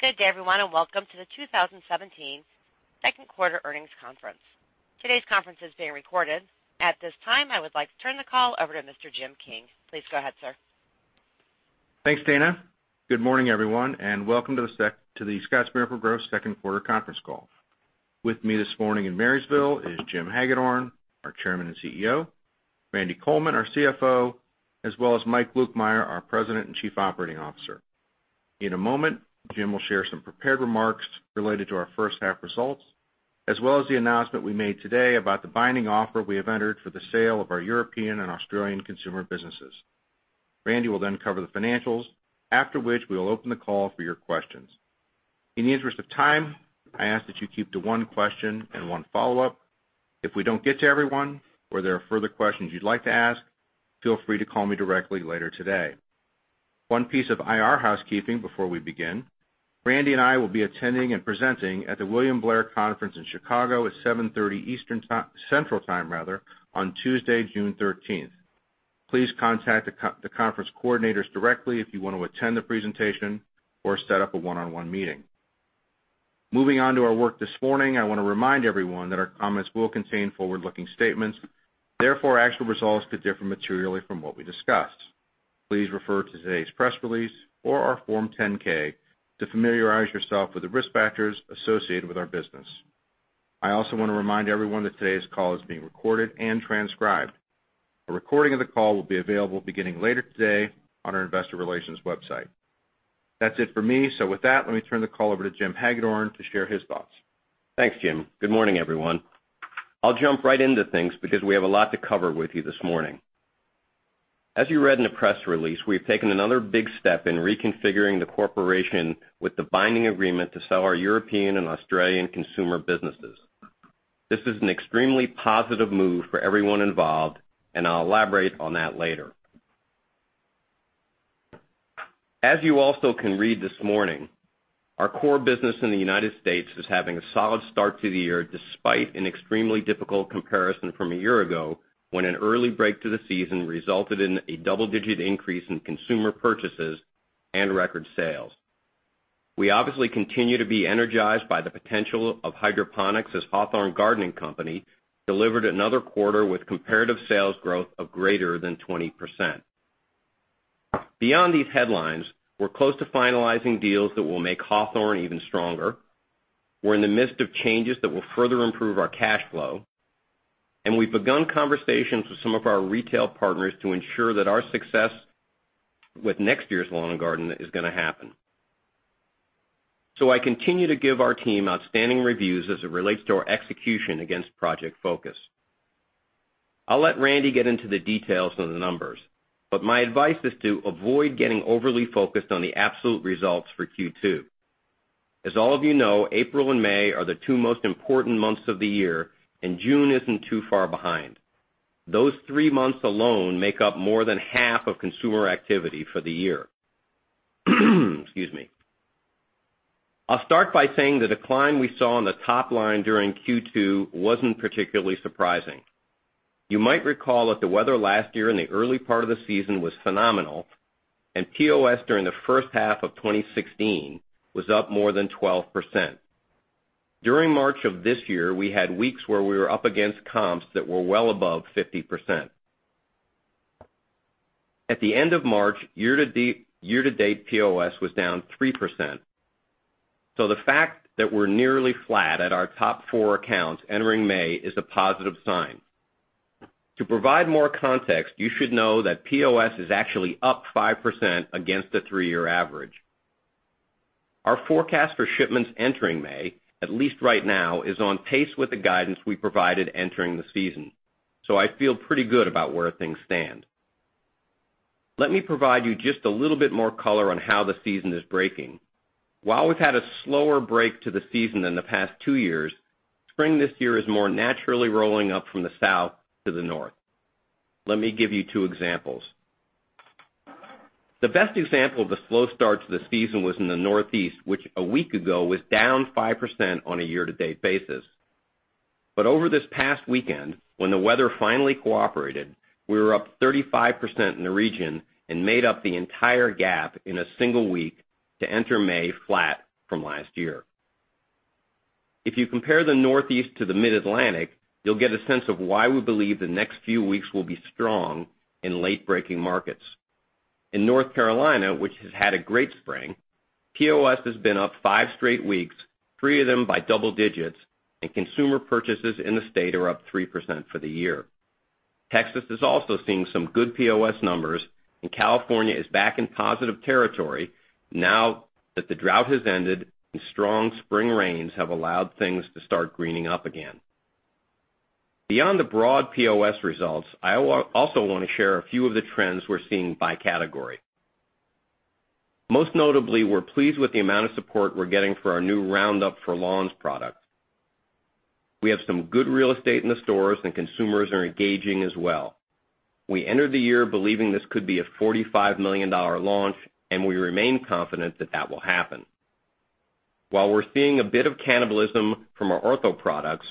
Good day, everyone, and welcome to the 2017 second quarter earnings conference. Today's conference is being recorded. At this time, I would like to turn the call over to Mr. Jim King. Please go ahead, sir. Thanks, Dana. Good morning, everyone, and welcome to the Scotts Miracle-Gro second quarter conference call. With me this morning in Marysville is Jim Hagedorn, our Chairman and CEO, Randy Coleman, our CFO, as well as Mike Lukemire, our President and Chief Operating Officer. In a moment, Jim will share some prepared remarks related to our first half results, as well as the announcement we made today about the binding offer we have entered for the sale of our European and Australian consumer businesses. Randy will cover the financials, after which we will open the call for your questions. In the interest of time, I ask that you keep to one question and one follow-up. If we don't get to everyone or there are further questions you'd like to ask, feel free to call me directly later today. One piece of IR housekeeping before we begin, Randy and I will be attending and presenting at the William Blair Conference in Chicago at 7:30 Central Time on Tuesday, June 13th. Please contact the conference coordinators directly if you want to attend the presentation or set up a one-on-one meeting. Moving on to our work this morning, I want to remind everyone that our comments will contain forward-looking statements. Therefore, actual results could differ materially from what we discuss. Please refer to today's press release or our Form 10-K to familiarize yourself with the risk factors associated with our business. I also want to remind everyone that today's call is being recorded and transcribed. A recording of the call will be available beginning later today on our investor relations website. That's it for me. With that, let me turn the call over to Jim Hagedorn to share his thoughts. Thanks, Jim. Good morning, everyone. I'll jump right into things because we have a lot to cover with you this morning. As you read in the press release, we have taken another big step in reconfiguring the corporation with the binding agreement to sell our European and Australian consumer businesses. This is an extremely positive move for everyone involved, and I'll elaborate on that later. As you also can read this morning, our core business in the United States is having a solid start to the year despite an extremely difficult comparison from a year ago when an early break to the season resulted in a double-digit increase in consumer purchases and record sales. We obviously continue to be energized by the potential of hydroponics as Hawthorne Gardening Company delivered another quarter with comparative sales growth of greater than 20%. Beyond these headlines, we're close to finalizing deals that will make Hawthorne even stronger. We're in the midst of changes that will further improve our cash flow. We've begun conversations with some of our retail partners to ensure that our success with next year's lawn and garden is going to happen. I continue to give our team outstanding reviews as it relates to our execution against Project Focus. I'll let Randy get into the details of the numbers, but my advice is to avoid getting overly focused on the absolute results for Q2. As all of you know, April and May are the two most important months of the year. June isn't too far behind. Those three months alone make up more than half of consumer activity for the year. Excuse me. I'll start by saying the decline we saw on the top line during Q2 wasn't particularly surprising. You might recall that the weather last year in the early part of the season was phenomenal. POS during the first half of 2016 was up more than 12%. During March of this year, we had weeks where we were up against comps that were well above 50%. At the end of March, year-to-date POS was down 3%. The fact that we're nearly flat at our top four accounts entering May is a positive sign. To provide more context, you should know that POS is actually up 5% against a three-year average. Our forecast for shipments entering May, at least right now, is on pace with the guidance we provided entering the season. I feel pretty good about where things stand. Let me provide you just a little bit more color on how the season is breaking. While we've had a slower break to the season than the past two years, spring this year is more naturally rolling up from the south to the north. Let me give you two examples. The best example of the slow start to the season was in the Northeast, which a week ago was down 5% on a year-to-date basis. Over this past weekend, when the weather finally cooperated, we were up 35% in the region and made up the entire gap in a single week to enter May flat from last year. If you compare the Northeast to the Mid-Atlantic, you'll get a sense of why we believe the next few weeks will be strong in late-breaking markets. In North Carolina, which has had a great spring, POS has been up five straight weeks, three of them by double digits. Consumer purchases in the state are up 3% for the year. Texas is also seeing some good POS numbers. California is back in positive territory now that the drought has ended and strong spring rains have allowed things to start greening up again. Beyond the broad POS results, I also want to share a few of the trends we're seeing by category. Most notably, we're pleased with the amount of support we're getting for our new Roundup For Lawns product. We have some good real estate in the stores. Consumers are engaging as well. We entered the year believing this could be a $45 million launch. We remain confident that that will happen. While we're seeing a bit of cannibalism from our Ortho products,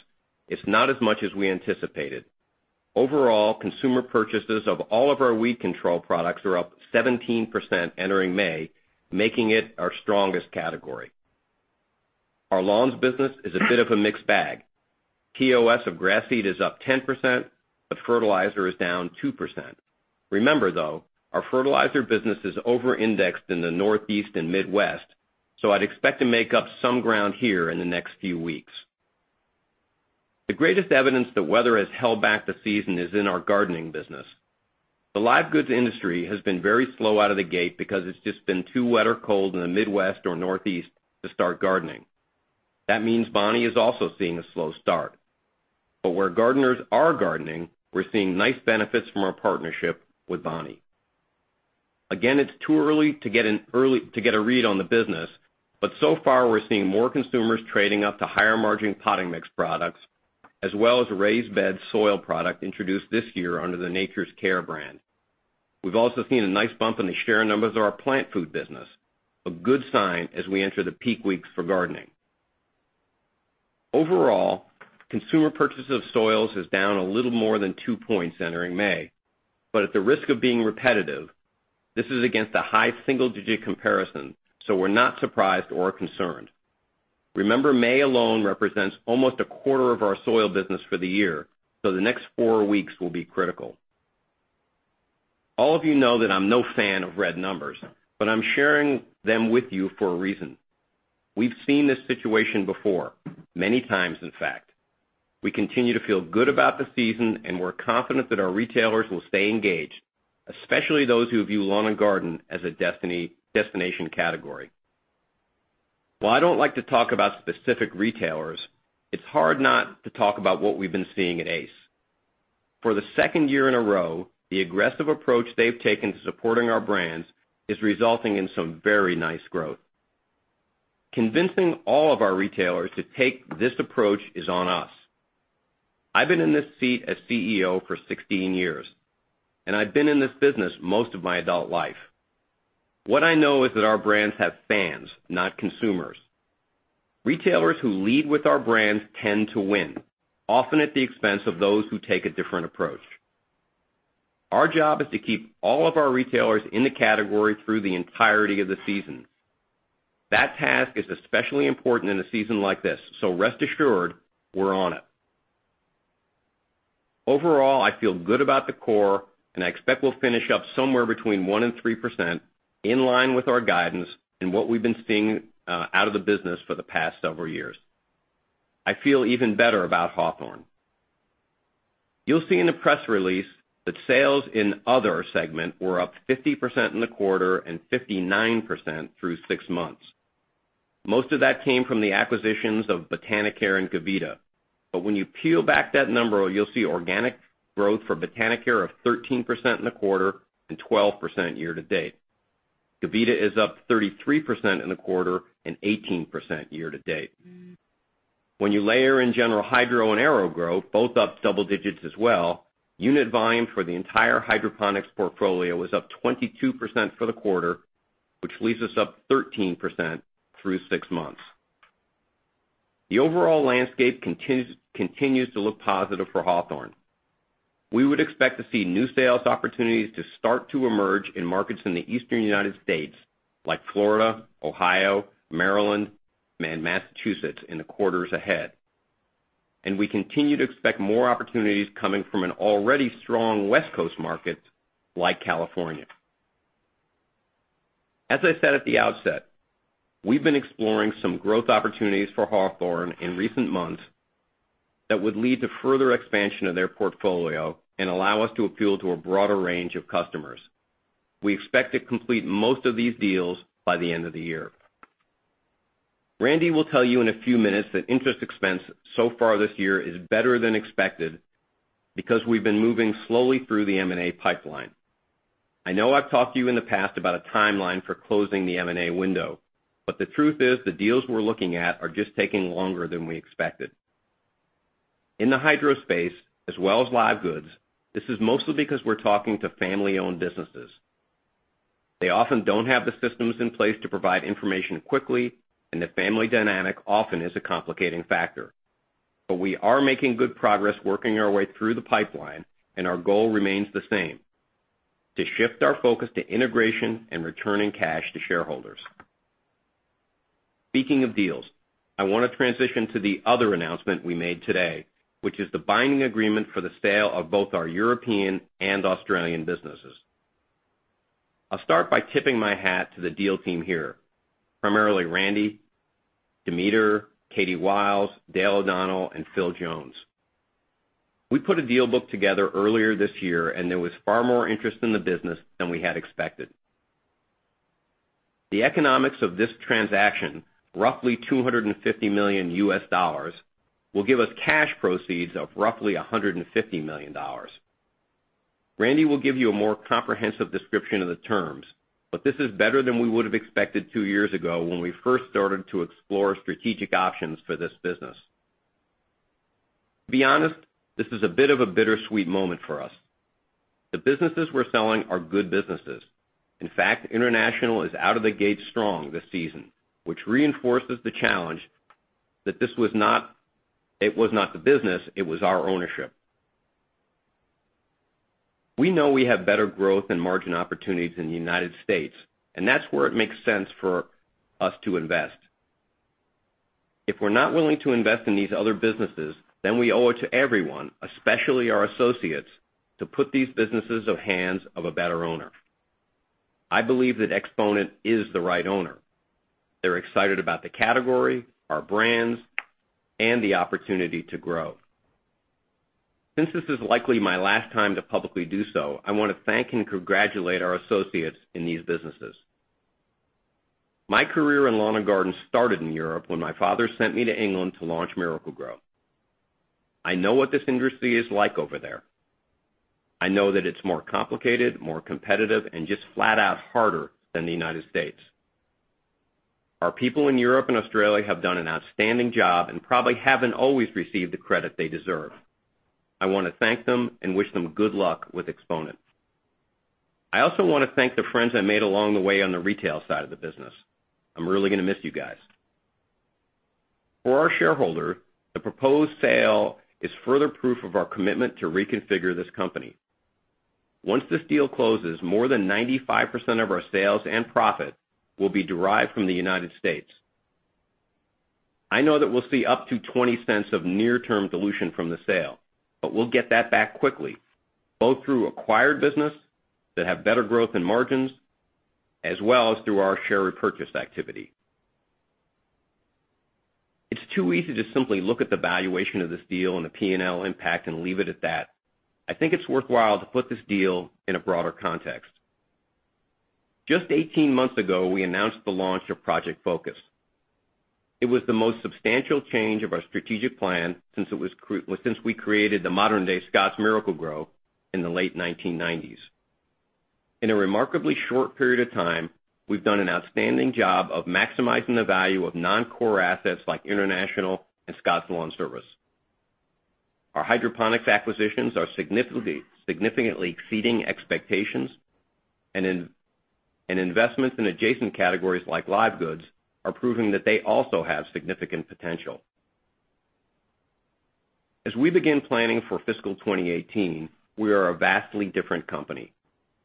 it's not as much as we anticipated. Overall, consumer purchases of all of our weed control products are up 17% entering May, making it our strongest category. Our lawns business is a bit of a mixed bag. POS of grass seed is up 10%, but fertilizer is down 2%. Remember though, our fertilizer business is over-indexed in the Northeast and Midwest, so I'd expect to make up some ground here in the next few weeks. The greatest evidence that weather has held back the season is in our gardening business. The live goods industry has been very slow out of the gate because it's just been too wet or cold in the Midwest or Northeast to start gardening. That means Bonnie is also seeing a slow start. Where gardeners are gardening, we're seeing nice benefits from our partnership with Bonnie. Again, it's too early to get a read on the business, but so far, we're seeing more consumers trading up to higher margin potting mix products, as well as raised bed soil product introduced this year under the Nature's Care brand. We've also seen a nice bump in the share numbers of our plant food business, a good sign as we enter the peak weeks for gardening. Overall, consumer purchase of soils is down a little more than two points entering May. At the risk of being repetitive, this is against a high single digit comparison, so we're not surprised or concerned. Remember, May alone represents almost a quarter of our soil business for the year, so the next four weeks will be critical. All of you know that I'm no fan of red numbers, I'm sharing them with you for a reason. We've seen this situation before, many times, in fact. We continue to feel good about the season, we're confident that our retailers will stay engaged, especially those who view lawn and garden as a destination category. While I don't like to talk about specific retailers, it's hard not to talk about what we've been seeing at Ace. For the second year in a row, the aggressive approach they've taken to supporting our brands is resulting in some very nice growth. Convincing all of our retailers to take this approach is on us. I've been in this seat as CEO for 16 years, and I've been in this business most of my adult life. What I know is that our brands have fans, not consumers. Retailers who lead with our brands tend to win, often at the expense of those who take a different approach. Our job is to keep all of our retailers in the category through the entirety of the season. That task is especially important in a season like this, rest assured, we're on it. Overall, I feel good about the core, and I expect we'll finish up somewhere between 1% and 3% in line with our guidance and what we've been seeing out of the business for the past several years. I feel even better about Hawthorne. You'll see in the press release that sales in other segment were up 50% in the quarter and 59% through six months. Most of that came from the acquisitions of Botanicare and Gavita. When you peel back that number, you'll see organic growth for Botanicare of 13% in the quarter and 12% year-to-date. Gavita is up 33% in the quarter and 18% year-to-date. When you layer in General Hydro and AeroGarden, both up double digits as well, unit volume for the entire hydroponics portfolio is up 22% for the quarter, which leaves us up 13% through six months. The overall landscape continues to look positive for Hawthorne. We would expect to see new sales opportunities to start to emerge in markets in the Eastern U.S. like Florida, Ohio, Maryland, and Massachusetts in the quarters ahead. We continue to expect more opportunities coming from an already strong West Coast market like California. As I said at the outset, we've been exploring some growth opportunities for Hawthorne in recent months that would lead to further expansion of their portfolio and allow us to appeal to a broader range of customers. We expect to complete most of these deals by the end of the year. Randy will tell you in a few minutes that interest expense so far this year is better than expected because we've been moving slowly through the M&A pipeline. I know I've talked to you in the past about a timeline for closing the M&A window, the truth is the deals we're looking at are just taking longer than we expected. In the hydro space, as well as live goods, this is mostly because we're talking to family-owned businesses. They often don't have the systems in place to provide information quickly, the family dynamic often is a complicating factor. We are making good progress working our way through the pipeline, our goal remains the same, to shift our focus to integration and returning cash to shareholders. Speaking of deals, I want to transition to the other announcement we made today, which is the binding agreement for the sale of both our European and Australian businesses. I'll start by tipping my hat to the deal team here, primarily Randy, Dimiter, Katy Wiles, Dale O'Donnell, and Phil Jones. We put a deal book together earlier this year, there was far more interest in the business than we had expected. The economics of this transaction, roughly $250 million, will give us cash proceeds of roughly $150 million. Randy will give you a more comprehensive description of the terms, this is better than we would have expected two years ago when we first started to explore strategic options for this business. To be honest, this is a bit of a bittersweet moment for us. The businesses we're selling are good businesses. In fact, international is out of the gate strong this season, which reinforces the challenge that it was not the business, it was our ownership. We know we have better growth and margin opportunities in the U.S., that's where it makes sense for us to invest. If we're not willing to invest in these other businesses, we owe it to everyone, especially our associates, to put these businesses in the hands of a better owner. I believe that Exponent is the right owner. They're excited about the category, our brands, and the opportunity to grow. Since this is likely my last time to publicly do so, I want to thank and congratulate our associates in these businesses. My career in Lawn & Garden started in Europe when my father sent me to England to launch Miracle-Gro. I know what this industry is like over there. I know that it's more complicated, more competitive, and just flat out harder than the U.S. Our people in Europe and Australia have done an outstanding job and probably haven't always received the credit they deserve. I want to thank them and wish them good luck with Exponent. I also want to thank the friends I made along the way on the retail side of the business. I'm really going to miss you guys. For our shareholder, the proposed sale is further proof of our commitment to reconfigure this company. Once this deal closes, more than 95% of our sales and profit will be derived from the U.S. I know that we'll see up to $0.20 of near-term dilution from the sale, we'll get that back quickly, both through acquired business that have better growth and margins, as well as through our share repurchase activity. It's too easy to simply look at the valuation of this deal and the P&L impact and leave it at that. I think it's worthwhile to put this deal in a broader context. Just 18 months ago, we announced the launch of Project Focus. It was the most substantial change of our strategic plan since we created the modern-day Scotts Miracle-Gro in the late 1990s. In a remarkably short period of time, we've done an outstanding job of maximizing the value of non-core assets like International and Scotts LawnService. Our hydroponics acquisitions are significantly exceeding expectations, and investments in adjacent categories like live goods are proving that they also have significant potential. As we begin planning for fiscal 2018, we are a vastly different company.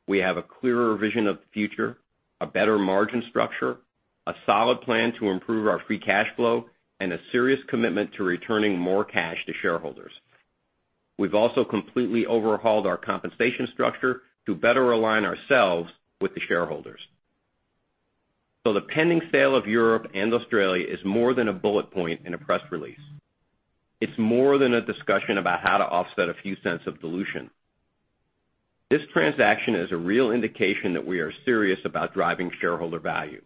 We have a clearer vision of the future, a better margin structure, a solid plan to improve our free cash flow, and a serious commitment to returning more cash to shareholders. We've also completely overhauled our compensation structure to better align ourselves with the shareholders. The pending sale of Europe and Australia is more than a bullet point in a press release. It's more than a discussion about how to offset a few cents of dilution. This transaction is a real indication that we are serious about driving shareholder value.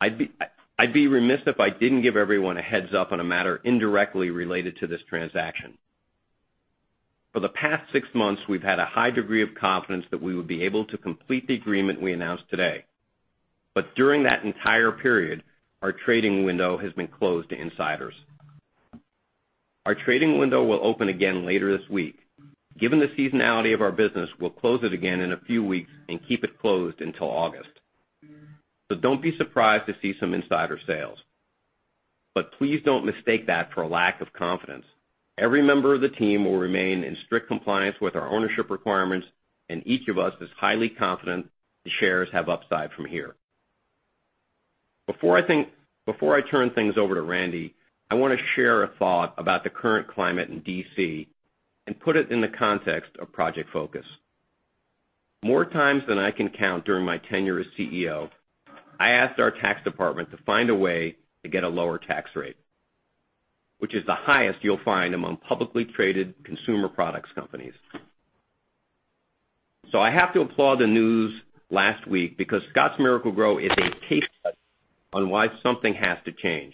I'd be remiss if I didn't give everyone a heads up on a matter indirectly related to this transaction. For the past six months, we've had a high degree of confidence that we would be able to complete the agreement we announced today. During that entire period, our trading window has been closed to insiders. Our trading window will open again later this week. Given the seasonality of our business, we'll close it again in a few weeks and keep it closed until August. Don't be surprised to see some insider sales. Please don't mistake that for a lack of confidence. Every member of the team will remain in strict compliance with our ownership requirements, and each of us is highly confident the shares have upside from here. Before I turn things over to Randy, I want to share a thought about the current climate in D.C. and put it in the context of Project Focus. More times than I can count during my tenure as CEO, I asked our tax department to find a way to get a lower tax rate, which is the highest you'll find among publicly traded consumer products companies. I have to applaud the news last week because Scotts Miracle-Gro is a case study on why something has to change.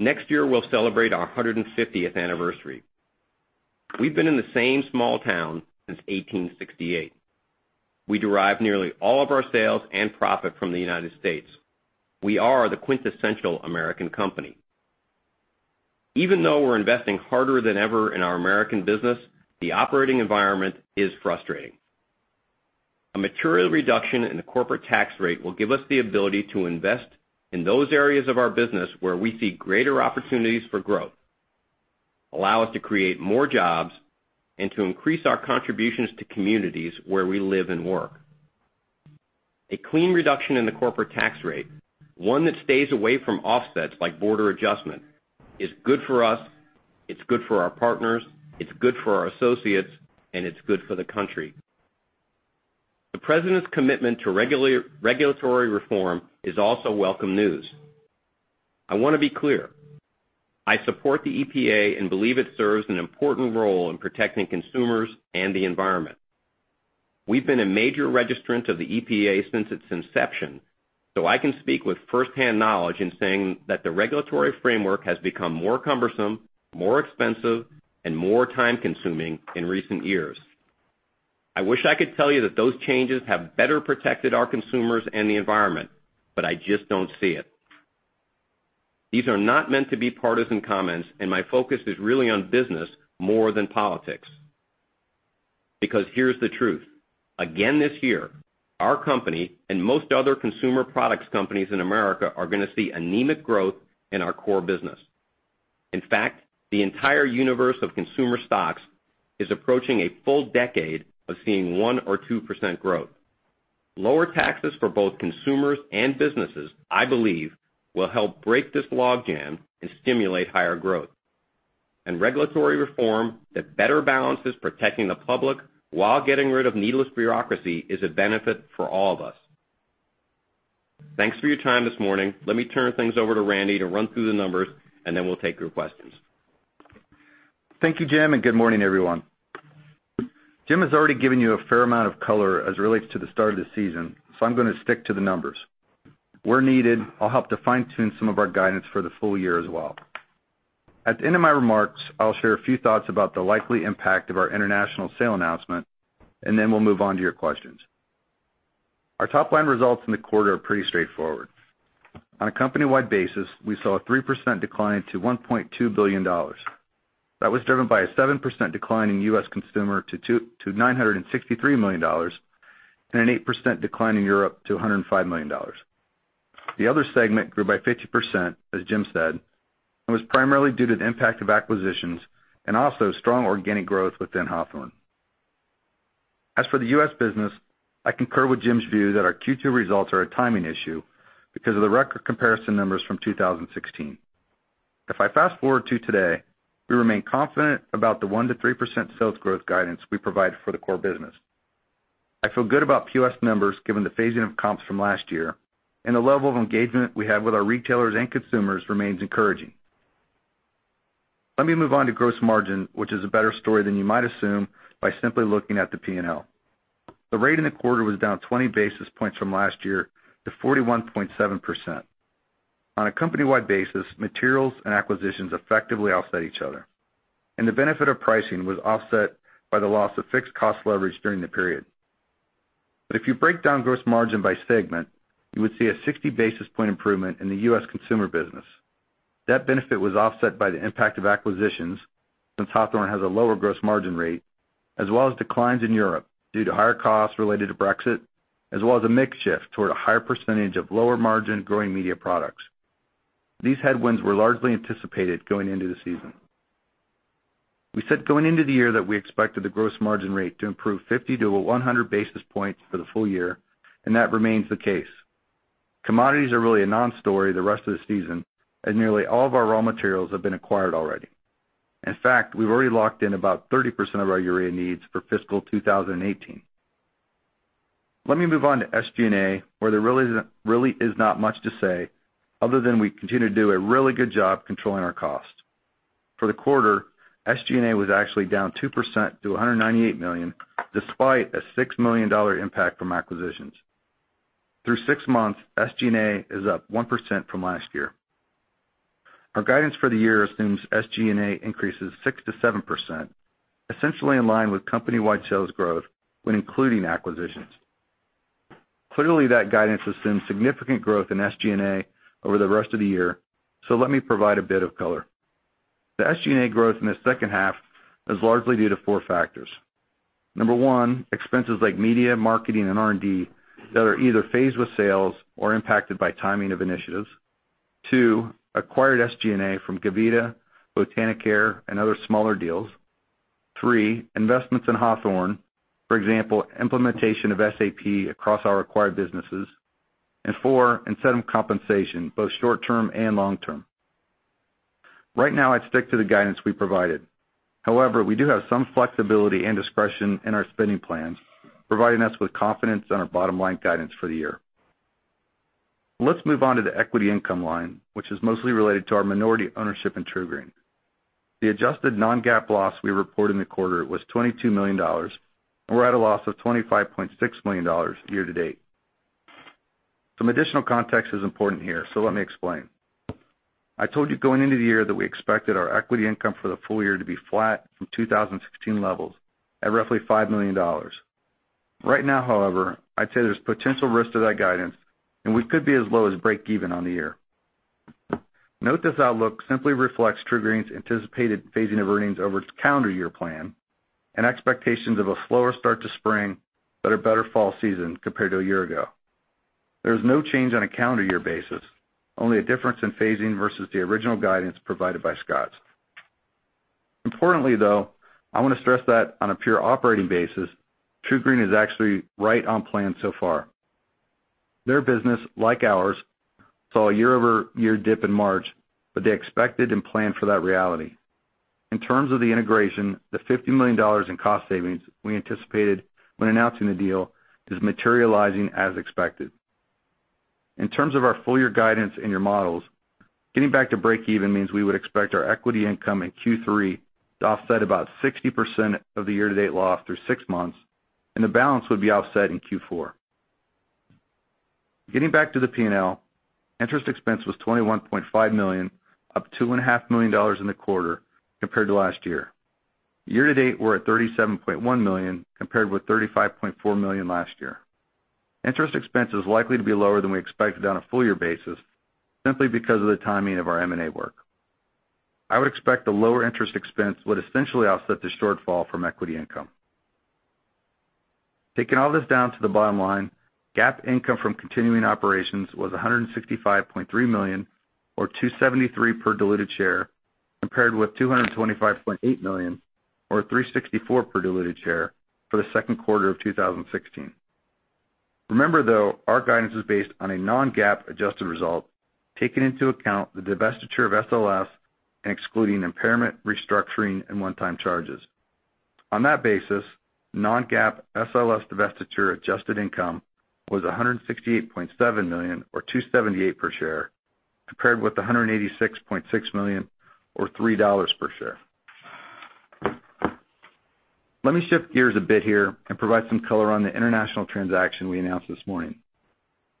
Next year, we'll celebrate our 150th anniversary. We've been in the same small town since 1868. We derive nearly all of our sales and profit from the United States. We are the quintessential American company. Even though we're investing harder than ever in our American business, the operating environment is frustrating. A material reduction in the corporate tax rate will give us the ability to invest in those areas of our business where we see greater opportunities for growth, allow us to create more jobs, and to increase our contributions to communities where we live and work. A clean reduction in the corporate tax rate, one that stays away from offsets like border adjustment, is good for us, it's good for our partners, it's good for our associates, and it's good for the country. The president's commitment to regulatory reform is also welcome news. I want to be clear, I support the EPA and believe it serves an important role in protecting consumers and the environment. We've been a major registrant of the EPA since its inception. I can speak with firsthand knowledge in saying that the regulatory framework has become more cumbersome, more expensive, and more time-consuming in recent years. I wish I could tell you that those changes have better protected our consumers and the environment. I just don't see it. These are not meant to be partisan comments, and my focus is really on business more than politics. Here's the truth: again this year, our company and most other consumer products companies in America are going to see anemic growth in our core business. In fact, the entire universe of consumer stocks is approaching a full decade of seeing 1% or 2% growth. Lower taxes for both consumers and businesses, I believe, will help break this logjam and stimulate higher growth. Regulatory reform that better balances protecting the public while getting rid of needless bureaucracy is a benefit for all of us. Thanks for your time this morning. Let me turn things over to Randy to run through the numbers. Then we'll take your questions. Thank you, Jim, and good morning, everyone. Jim has already given you a fair amount of color as it relates to the start of the season. I'm going to stick to the numbers. Where needed, I'll help to fine-tune some of our guidance for the full year as well. At the end of my remarks, I'll share a few thoughts about the likely impact of our international sale announcement. We'll move on to your questions. Our top-line results in the quarter are pretty straightforward. On a company-wide basis, we saw a 3% decline to $1.2 billion. That was driven by a 7% decline in U.S. consumer to $963 million and an 8% decline in Europe to $105 million. The other segment grew by 50%, as Jim said, and was primarily due to the impact of acquisitions and also strong organic growth within Hawthorne. As for the U.S. business, I concur with Jim's view that our Q2 results are a timing issue because of the record comparison numbers from 2016. If I fast-forward to today, we remain confident about the 1%-3% sales growth guidance we provide for the core business. I feel good about U.S. numbers given the phasing of comps from last year. The level of engagement we have with our retailers and consumers remains encouraging. Let me move on to gross margin, which is a better story than you might assume by simply looking at the P&L. The rate in the quarter was down 20 basis points from last year to 41.7%. On a company-wide basis, materials and acquisitions effectively offset each other. The benefit of pricing was offset by the loss of fixed cost leverage during the period. If you break down gross margin by segment, you would see a 60-basis-point improvement in the U.S. consumer business. That benefit was offset by the impact of acquisitions, since Hawthorne has a lower gross margin rate, as well as declines in Europe due to higher costs related to Brexit, as well as a mix shift toward a higher percentage of lower-margin growing media products. These headwinds were largely anticipated going into the season. We said going into the year that we expected the gross margin rate to improve 50 to 100 basis points for the full year. That remains the case. Commodities are really a non-story the rest of the season, as nearly all of our raw materials have been acquired already. In fact, we've already locked in about 30% of our urea needs for fiscal 2018. Let me move on to SG&A, where there really is not much to say other than we continue to do a really good job controlling our cost. For the quarter, SG&A was actually down 2% to $198 million, despite a $6 million impact from acquisitions. Through six months, SG&A is up 1% from last year. Our guidance for the year assumes SG&A increases 6%-7%, essentially in line with company-wide sales growth when including acquisitions. Clearly, that guidance assumes significant growth in SG&A over the rest of the year. Let me provide a bit of color. The SG&A growth in the second half is largely due to four factors. Number one, expenses like media, marketing, and R&D that are either phased with sales or impacted by timing of initiatives. Two, acquired SG&A from Gavita, Botanicare, and other smaller deals. Three, investments in Hawthorne, for example, implementation of SAP across our acquired businesses. Four, incentive compensation, both short-term and long-term. Right now, I'd stick to the guidance we provided. However, we do have some flexibility and discretion in our spending plans, providing us with confidence in our bottom-line guidance for the year. Let's move on to the equity income line, which is mostly related to our minority ownership in TruGreen. The adjusted non-GAAP loss we reported in the quarter was $22 million. We're at a loss of $25.6 million year to date. Some additional context is important here, so let me explain. I told you going into the year that we expected our equity income for the full year to be flat from 2016 levels at roughly $5 million. Right now, however, I'd say there's potential risk to that guidance, and we could be as low as break even on the year. Note this outlook simply reflects TruGreen's anticipated phasing of earnings over its calendar year plan and expectations of a slower start to spring, but a better fall season compared to a year ago. There is no change on a calendar year basis, only a difference in phasing versus the original guidance provided by Scotts. Importantly, though, I want to stress that on a pure operating basis, TruGreen is actually right on plan so far. Their business, like ours, saw a year-over-year dip in March, but they expected and planned for that reality. In terms of the integration, the $50 million in cost savings we anticipated when announcing the deal is materializing as expected. In terms of our full-year guidance in your models, getting back to break even means we would expect our equity income in Q3 to offset about 60% of the year-to-date loss through six months, and the balance would be offset in Q4. Getting back to the P&L, interest expense was $21.5 million, up $2.5 million in the quarter compared to last year. Year to date, we're at $37.1 million compared with $35.4 million last year. Interest expense is likely to be lower than we expected on a full year basis simply because of the timing of our M&A work. I would expect the lower interest expense would essentially offset the shortfall from equity income. Taking all this down to the bottom line, GAAP income from continuing operations was $165.3 million, or $2.73 per diluted share, compared with $225.8 million, or $3.64 per diluted share for the second quarter of 2016. Remember though, our guidance is based on a non-GAAP adjusted result, taking into account the divestiture of SLS and excluding impairment, restructuring, and one-time charges. On that basis, non-GAAP SLS divestiture adjusted income was $168.7 million or $2.78 per share, compared with $186.6 million or $3.00 per share. Let me shift gears a bit here and provide some color on the international transaction we announced this morning.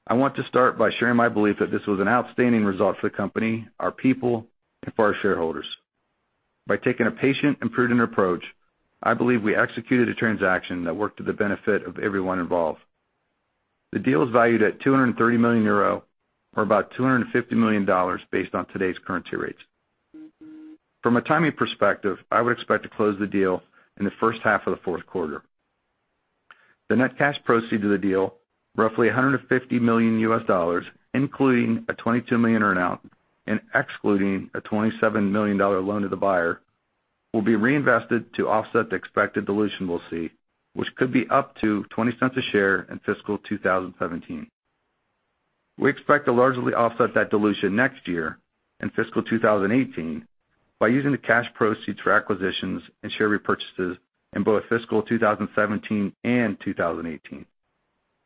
I want to start by sharing my belief that this was an outstanding result for the company, our people, and for our shareholders. By taking a patient and prudent approach, I believe I executed a transaction that worked to the benefit of everyone involved. The deal is valued at 230 million euro, or about $250 million based on today's currency rates. From a timing perspective, I would expect to close the deal in the first half of the fourth quarter. The net cash proceed to the deal, roughly $150 million, including a $22 million earn-out and excluding a $27 million loan to the buyer, will be reinvested to offset the expected dilution we'll see, which could be up to $0.20 a share in fiscal 2017. We expect to largely offset that dilution next year, in fiscal 2018, by using the cash proceeds for acquisitions and share repurchases in both fiscal 2017 and 2018.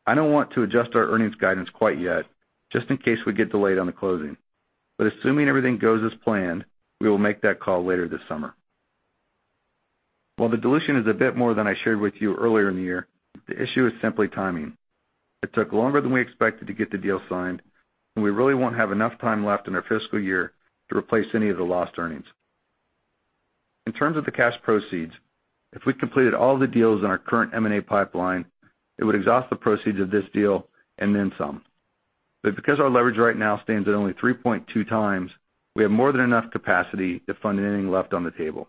I don't want to adjust our earnings guidance quite yet, just in case we get delayed on the closing. Assuming everything goes as planned, we will make that call later this summer. While the dilution is a bit more than I shared with you earlier in the year, the issue is simply timing. It took longer than we expected to get the deal signed, we really won't have enough time left in our fiscal year to replace any of the lost earnings. In terms of the cash proceeds, if we completed all the deals in our current M&A pipeline, it would exhaust the proceeds of this deal and then some. Because our leverage right now stands at only 3.2 times, we have more than enough capacity to fund anything left on the table.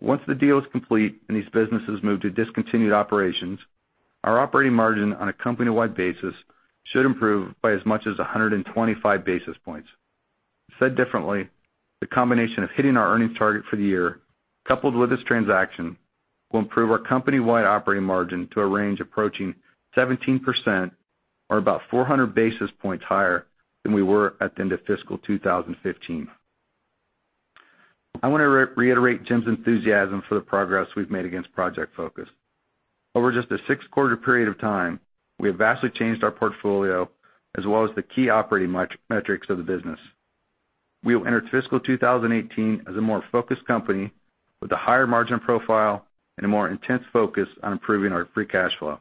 Once the deal is complete and these businesses move to discontinued operations, our operating margin on a company-wide basis should improve by as much as 125 basis points. Said differently, the combination of hitting our earnings target for the year, coupled with this transaction, will improve our company-wide operating margin to a range approaching 17%, or about 400 basis points higher than we were at the end of fiscal 2015. I want to reiterate Jim's enthusiasm for the progress we've made against Project Focus. Over just a six-quarter period of time, we have vastly changed our portfolio as well as the key operating metrics of the business. We will enter fiscal 2018 as a more focused company with a higher margin profile and a more intense focus on improving our free cash flow.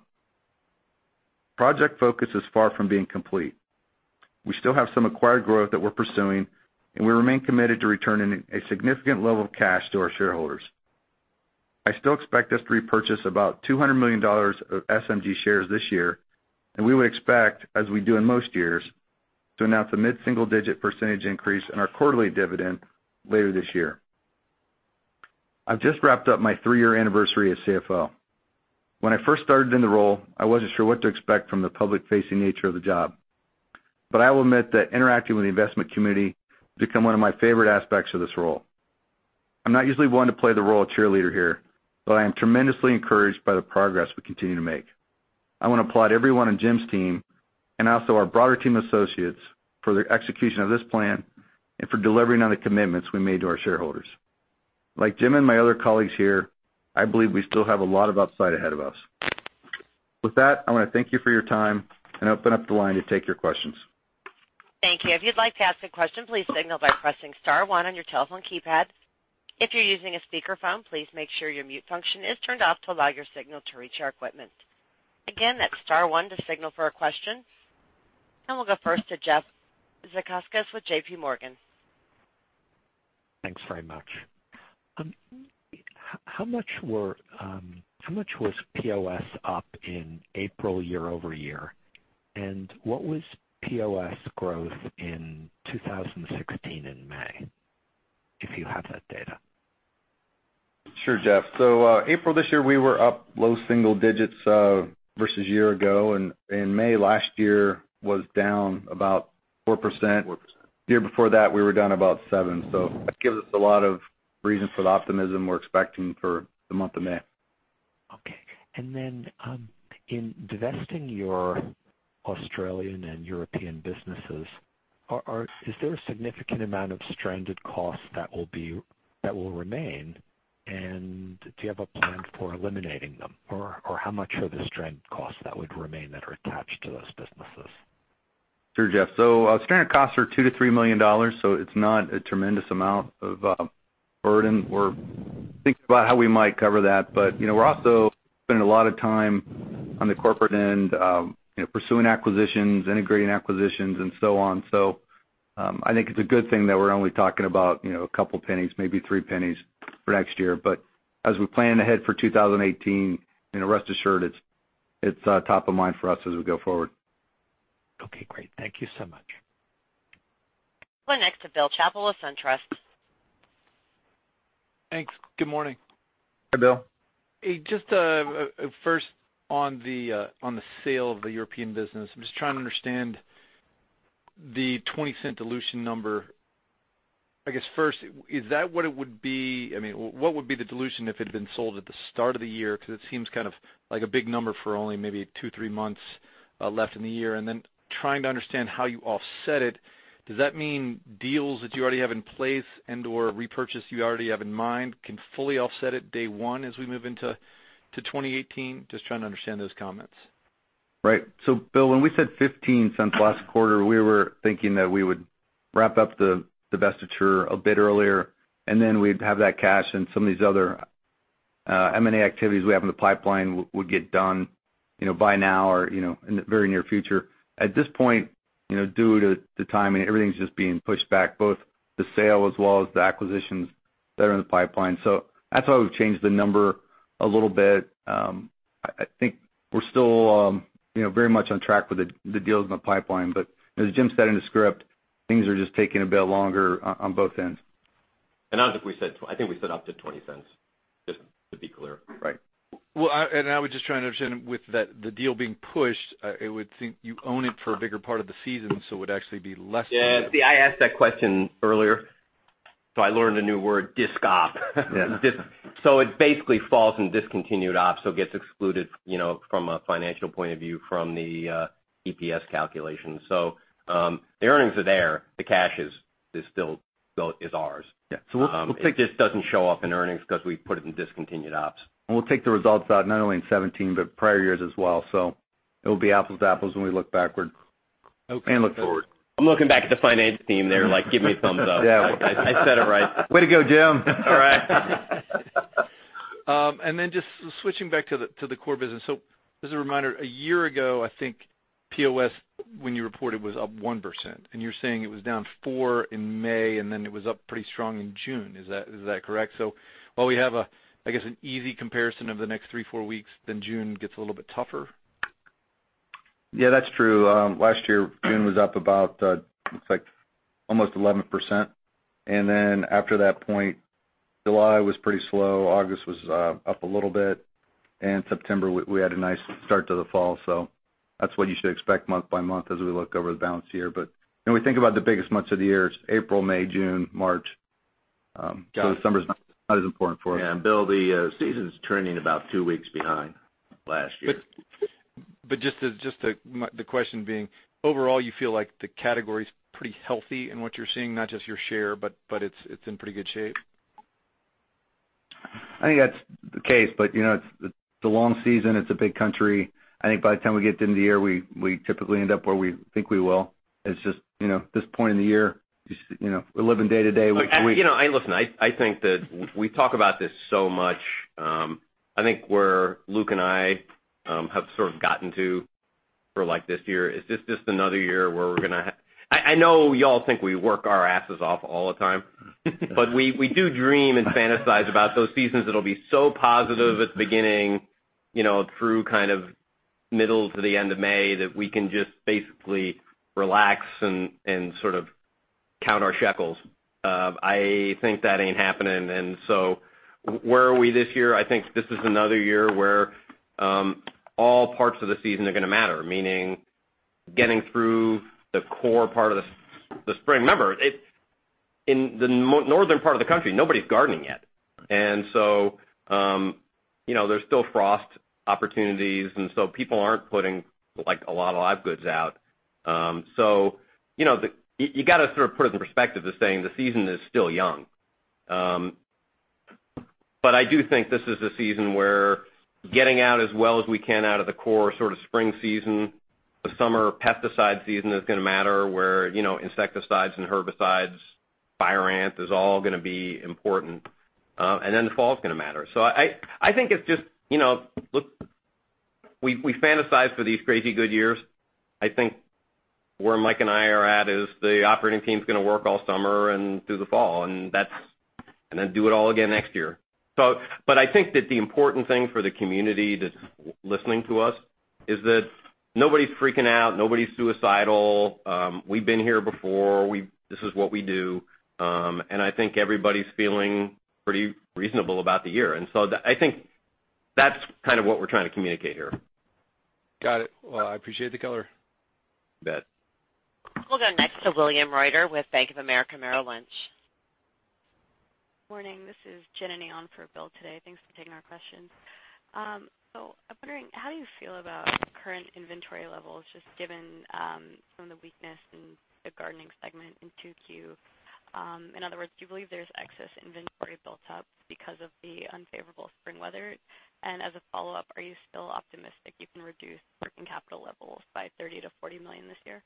Project Focus is far from being complete. We still have some acquired growth that we're pursuing, we remain committed to returning a significant level of cash to our shareholders. I still expect us to repurchase about $200 million of SMG shares this year, we would expect, as we do in most years, to announce a mid-single-digit % increase in our quarterly dividend later this year. I've just wrapped up my three-year anniversary as CFO. When I first started in the role, I wasn't sure what to expect from the public-facing nature of the job. I will admit that interacting with the investment community has become one of my favorite aspects of this role. I'm not usually one to play the role of cheerleader here, I am tremendously encouraged by the progress we continue to make. I want to applaud everyone on Jim's team and also our broader team of associates for their execution of this plan and for delivering on the commitments we made to our shareholders. Like Jim and my other colleagues here, I believe we still have a lot of upside ahead of us. With that, I want to thank you for your time and open up the line to take your questions. Thank you. If you'd like to ask a question, please signal by pressing *1 on your telephone keypad. If you're using a speakerphone, please make sure your mute function is turned off to allow your signal to reach our equipment. Again, that's *1 to signal for a question. We'll go first to Jeff Zekauskas with JPMorgan. Thanks very much. How much was POS up in April year-over-year? What was POS growth in 2016 in May, if you have that data? Sure, Jeff. April this year, we were up low single digits versus year ago, May last year was down about 4%. Year before that, we were down about 7%. That gives us a lot of reasons for the optimism we're expecting for the month of May. Okay. In divesting your Australian and European businesses, is there a significant amount of stranded costs that will remain? Do you have a plan for eliminating them, or how much are the stranded costs that would remain that are attached to those businesses? Sure, Jeff. Stranded costs are $2 million-$3 million, it's not a tremendous amount of burden. We're thinking about how we might cover that. We're also spending a lot of time on the corporate end, pursuing acquisitions, integrating acquisitions, and so on. I think it's a good thing that we're only talking about $0.02, maybe $0.03 for next year. As we plan ahead for 2018, rest assured, it's top of mind for us as we go forward. Okay, great. Thank you so much. We'll go next to Bill Chappell with SunTrust. Thanks. Good morning. Hi, Bill. First on the sale of the European business, I'm just trying to understand the $0.20 dilution number. I guess first, is that what it would be? What would be the dilution if it had been sold at the start of the year? Because it seems like a big number for only maybe two, three months left in the year. Then trying to understand how you offset it. Does that mean deals that you already have in place and/or repurchase you already have in mind can fully offset it day one as we move into 2018? Just trying to understand those comments. Bill, when we said $0.15 last quarter, we were thinking that we would wrap up the divestiture a bit earlier. Then we'd have that cash and some of these other M&A activities we have in the pipeline would get done by now or in the very near future. At this point, due to the timing, everything's just being pushed back, both the sale as well as the acquisitions that are in the pipeline. That's why we've changed the number a little bit. I think we're still very much on track with the deals in the pipeline. As Jim said in the script, things are just taking a bit longer on both ends. I don't think we said, I think we said up to $0.20, just to be clear. Right. Well, I was just trying to understand with the deal being pushed, I would think you own it for a bigger part of the season, so it would actually be less than that. Yeah. See, I asked that question earlier, I learned a new word, discontinued operations. It basically falls in discontinued ops, it gets excluded from a financial point of view from the EPS calculation. The earnings are there. The cash is ours. Yeah. It just doesn't show up in earnings because we put it in discontinued ops. We'll take the results out not only in 2017, but prior years as well. It'll be apples to apples when we look backward and look forward. I'm looking back at the finance team. They're like, "Give me a thumbs up. Yeah. I said it right. Way to go, Jim. All right. Just switching back to the core business. As a reminder, a year ago, I think POS, when you reported, was up 1%, and you're saying it was down four in May, and then it was up pretty strong in June. Is that correct? While we have, I guess, an easy comparison of the next three, four weeks, then June gets a little bit tougher? Yeah, that's true. Last year, June was up about almost 11%. After that point, July was pretty slow. August was up a little bit. September we had a nice start to the fall. That's what you should expect month by month as we look over the balance here. When we think about the biggest months of the year, it's April, May, June, March. The summer's not as important for us. Yeah. Bill, the season's turning about two weeks behind last year. Just the question being, overall, you feel like the category's pretty healthy in what you're seeing, not just your share, but it's in pretty good shape? I think that's the case, but it's a long season, it's a big country. I think by the time we get to the end of the year, we typically end up where we think we will. It's just this point in the year, we're living day to day. Listen, I think that we talk about this so much. I think where Mike and I have sort of gotten to for this year is this just another year where we're going to I know you all think we work our asses off all the time, but we do dream and fantasize about those seasons that'll be so positive at the beginning, through kind of middle to the end of May, that we can just basically relax and sort of count our shekels. I think that ain't happening. Where are we this year? I think this is another year where all parts of the season are going to matter, meaning getting through the core part of the spring. Remember, in the northern part of the country, nobody's gardening yet. There's still frost opportunities, and so people aren't putting a lot of live goods out. You've got to sort of put it in perspective as saying the season is still young. I do think this is a season where getting out as well as we can out of the core sort of spring season, the summer pesticide season is going to matter where insecticides and herbicides, fire ant is all going to be important. The fall's going to matter. I think it's just, look, we fantasize for these crazy good years. I think where Mike and I are at is the operating team's going to work all summer and through the fall, and then do it all again next year. I think that the important thing for the community that's listening to us is that nobody's freaking out. Nobody's suicidal. We've been here before. This is what we do. I think everybody's feeling pretty reasonable about the year, I think that's kind of what we're trying to communicate here. Got it. Well, I appreciate the color. You bet. We'll go next to William Reuter with Bank of America Merrill Lynch. Morning. This is Jenna on for Bill today. Thanks for taking our questions. I'm wondering, how do you feel about current inventory levels, just given some of the weakness in the gardening segment in 2Q? In other words, do you believe there's excess inventory built up because of the unfavorable spring weather? As a follow-up, are you still optimistic you can reduce working capital levels by $30 million-$40 million this year?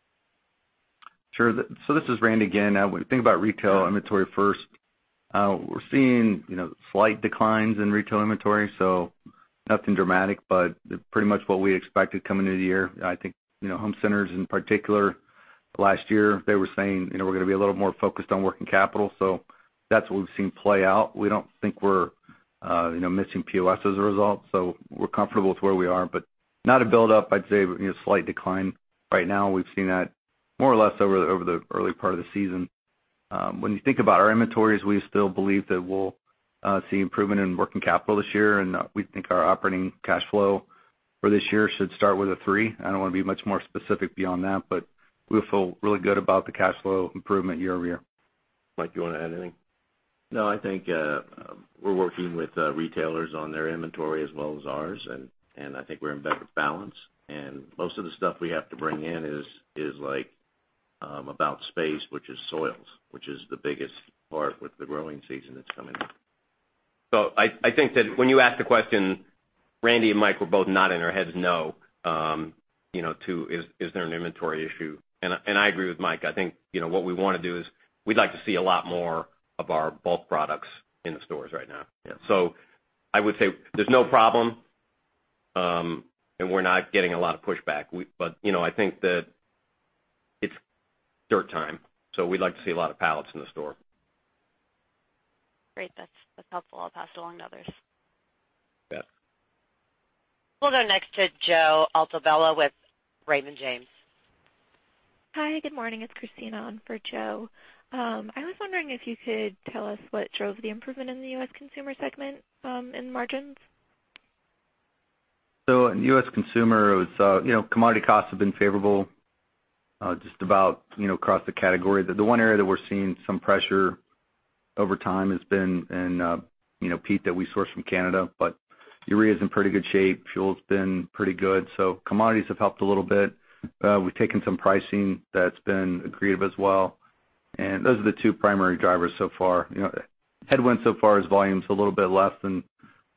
Sure. This is Randy again. When you think about retail inventory first, we're seeing slight declines in retail inventory, nothing dramatic, but pretty much what we expected coming into the year. I think home centers in particular last year, they were saying, "We're going to be a little more focused on working capital." That's what we've seen play out. We don't think we're missing POS as a result, we're comfortable with where we are, but not a build-up, I'd say, but slight decline right now. We've seen that more or less over the early part of the season. When you think about our inventories, we still believe that we'll see improvement in working capital this year, and we think our operating cash flow for this year should start with a three. I don't want to be much more specific beyond that, but we feel really good about the cash flow improvement year-over-year. Mike, do you want to add anything? No, I think we're working with retailers on their inventory as well as ours, and I think we're in better balance. Most of the stuff we have to bring in is about space, which is soils, which is the biggest part with the growing season that's coming up. I think that when you ask the question, Randy and Mike were both nodding their heads no to is there an inventory issue. I agree with Mike. I think what we want to do is we'd like to see a lot more of our bulk products in the stores right now. Yeah. I would say there's no problem, and we're not getting a lot of pushback. I think that it's dirt time, we'd like to see a lot of pallets in the store. Great. That's helpful. I'll pass it along to others. Yeah. We'll go next to Joseph Altobello with Raymond James. Hi, good morning. It's Krisztina on for Joe. I was wondering if you could tell us what drove the improvement in the U.S. Consumer segment in margins. In U.S. Consumer, commodity costs have been favorable just about across the category. The one area that we're seeing some pressure over time has been in peat that we source from Canada. Urea's in pretty good shape. Fuel's been pretty good. Commodities have helped a little bit. We've taken some pricing that's been accretive as well, and those are the two primary drivers so far. Headwind so far is volume's a little bit less than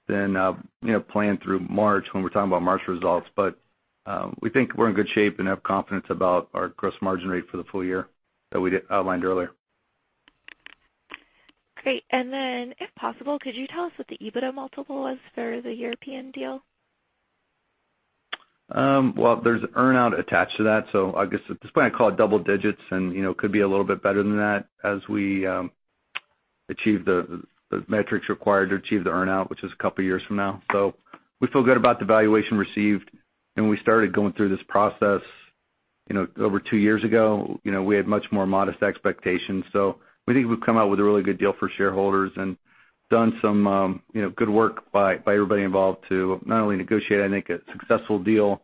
planned through March when we're talking about March results. We think we're in good shape and have confidence about our gross margin rate for the full year that we outlined earlier. Great. If possible, could you tell us what the EBITDA multiple was for the European deal? There's earn-out attached to that, I guess at this point I'd call it double digits and could be a little bit better than that as we achieve the metrics required to achieve the earn-out, which is a couple of years from now. We feel good about the valuation received. When we started going through this process over two years ago, we had much more modest expectations. We think we've come out with a really good deal for shareholders and done some good work by everybody involved to not only negotiate, I think, a successful deal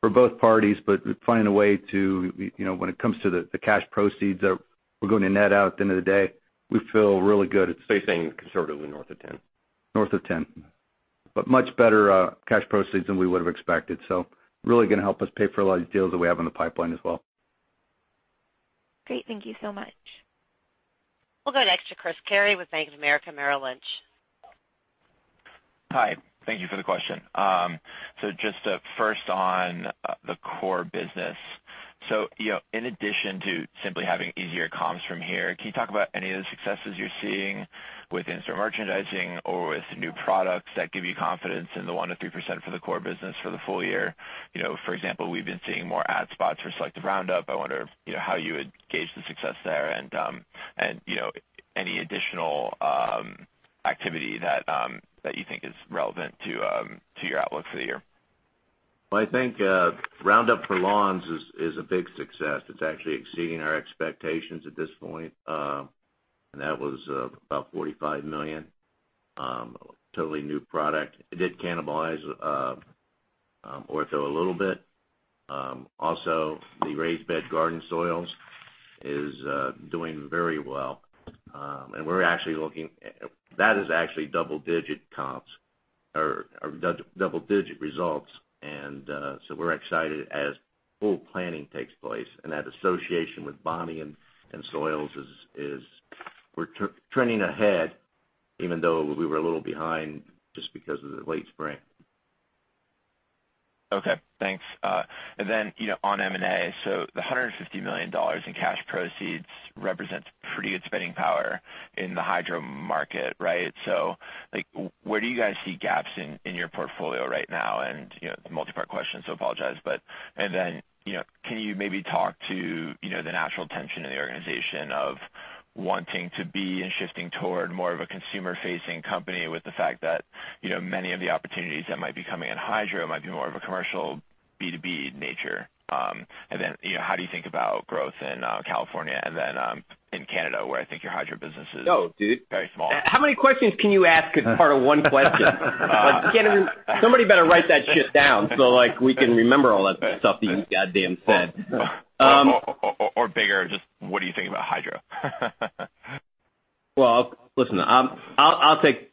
for both parties, but find a way to, when it comes to the cash proceeds that we're going to net out at the end of the day, we feel really good. You're saying conservatively north of 10. North of 10. Much better cash proceeds than we would've expected, really going to help us pay for a lot of these deals that we have in the pipeline as well. Great. Thank you so much. We'll go next to Christopher Carey with Bank of America Merrill Lynch. Hi. Thank you for the question. Just first on the core business. In addition to simply having easier comps from here, can you talk about any of the successes you're seeing with in-store merchandising or with new products that give you confidence in the 1%-3% for the core business for the full year? For example, we've been seeing more ad spots for selective Roundup. I wonder how you would gauge the success there and any additional activity that you think is relevant to your outlook for the year. Well, I think Roundup for Lawns is a big success. It's actually exceeding our expectations at this point. That was about $45 million. Totally new product. It did cannibalize Ortho a little bit. Also, the raised bed garden soils is doing very well. That is actually double-digit comps or double-digit results, we're excited as full planning takes place, and that association with Bonnie & Soils is we're trending ahead even though we were a little behind just because of the late spring. Okay, thanks. On M&A, the $150 million in cash proceeds represents pretty good spending power in the hydro market, right? Where do you guys see gaps in your portfolio right now? Multi-part question, apologize, can you maybe talk to the natural tension in the organization of wanting to be and shifting toward more of a consumer-facing company with the fact that many of the opportunities that might be coming in hydro might be more of a commercial B2B nature? How do you think about growth in California and in Canada, where I think your hydro business is very small? How many questions can you ask as part of one question? Somebody better write that shit down so we can remember all that stuff that you goddamn said. Bigger, just what are you thinking about hydro? Well, listen. I'll take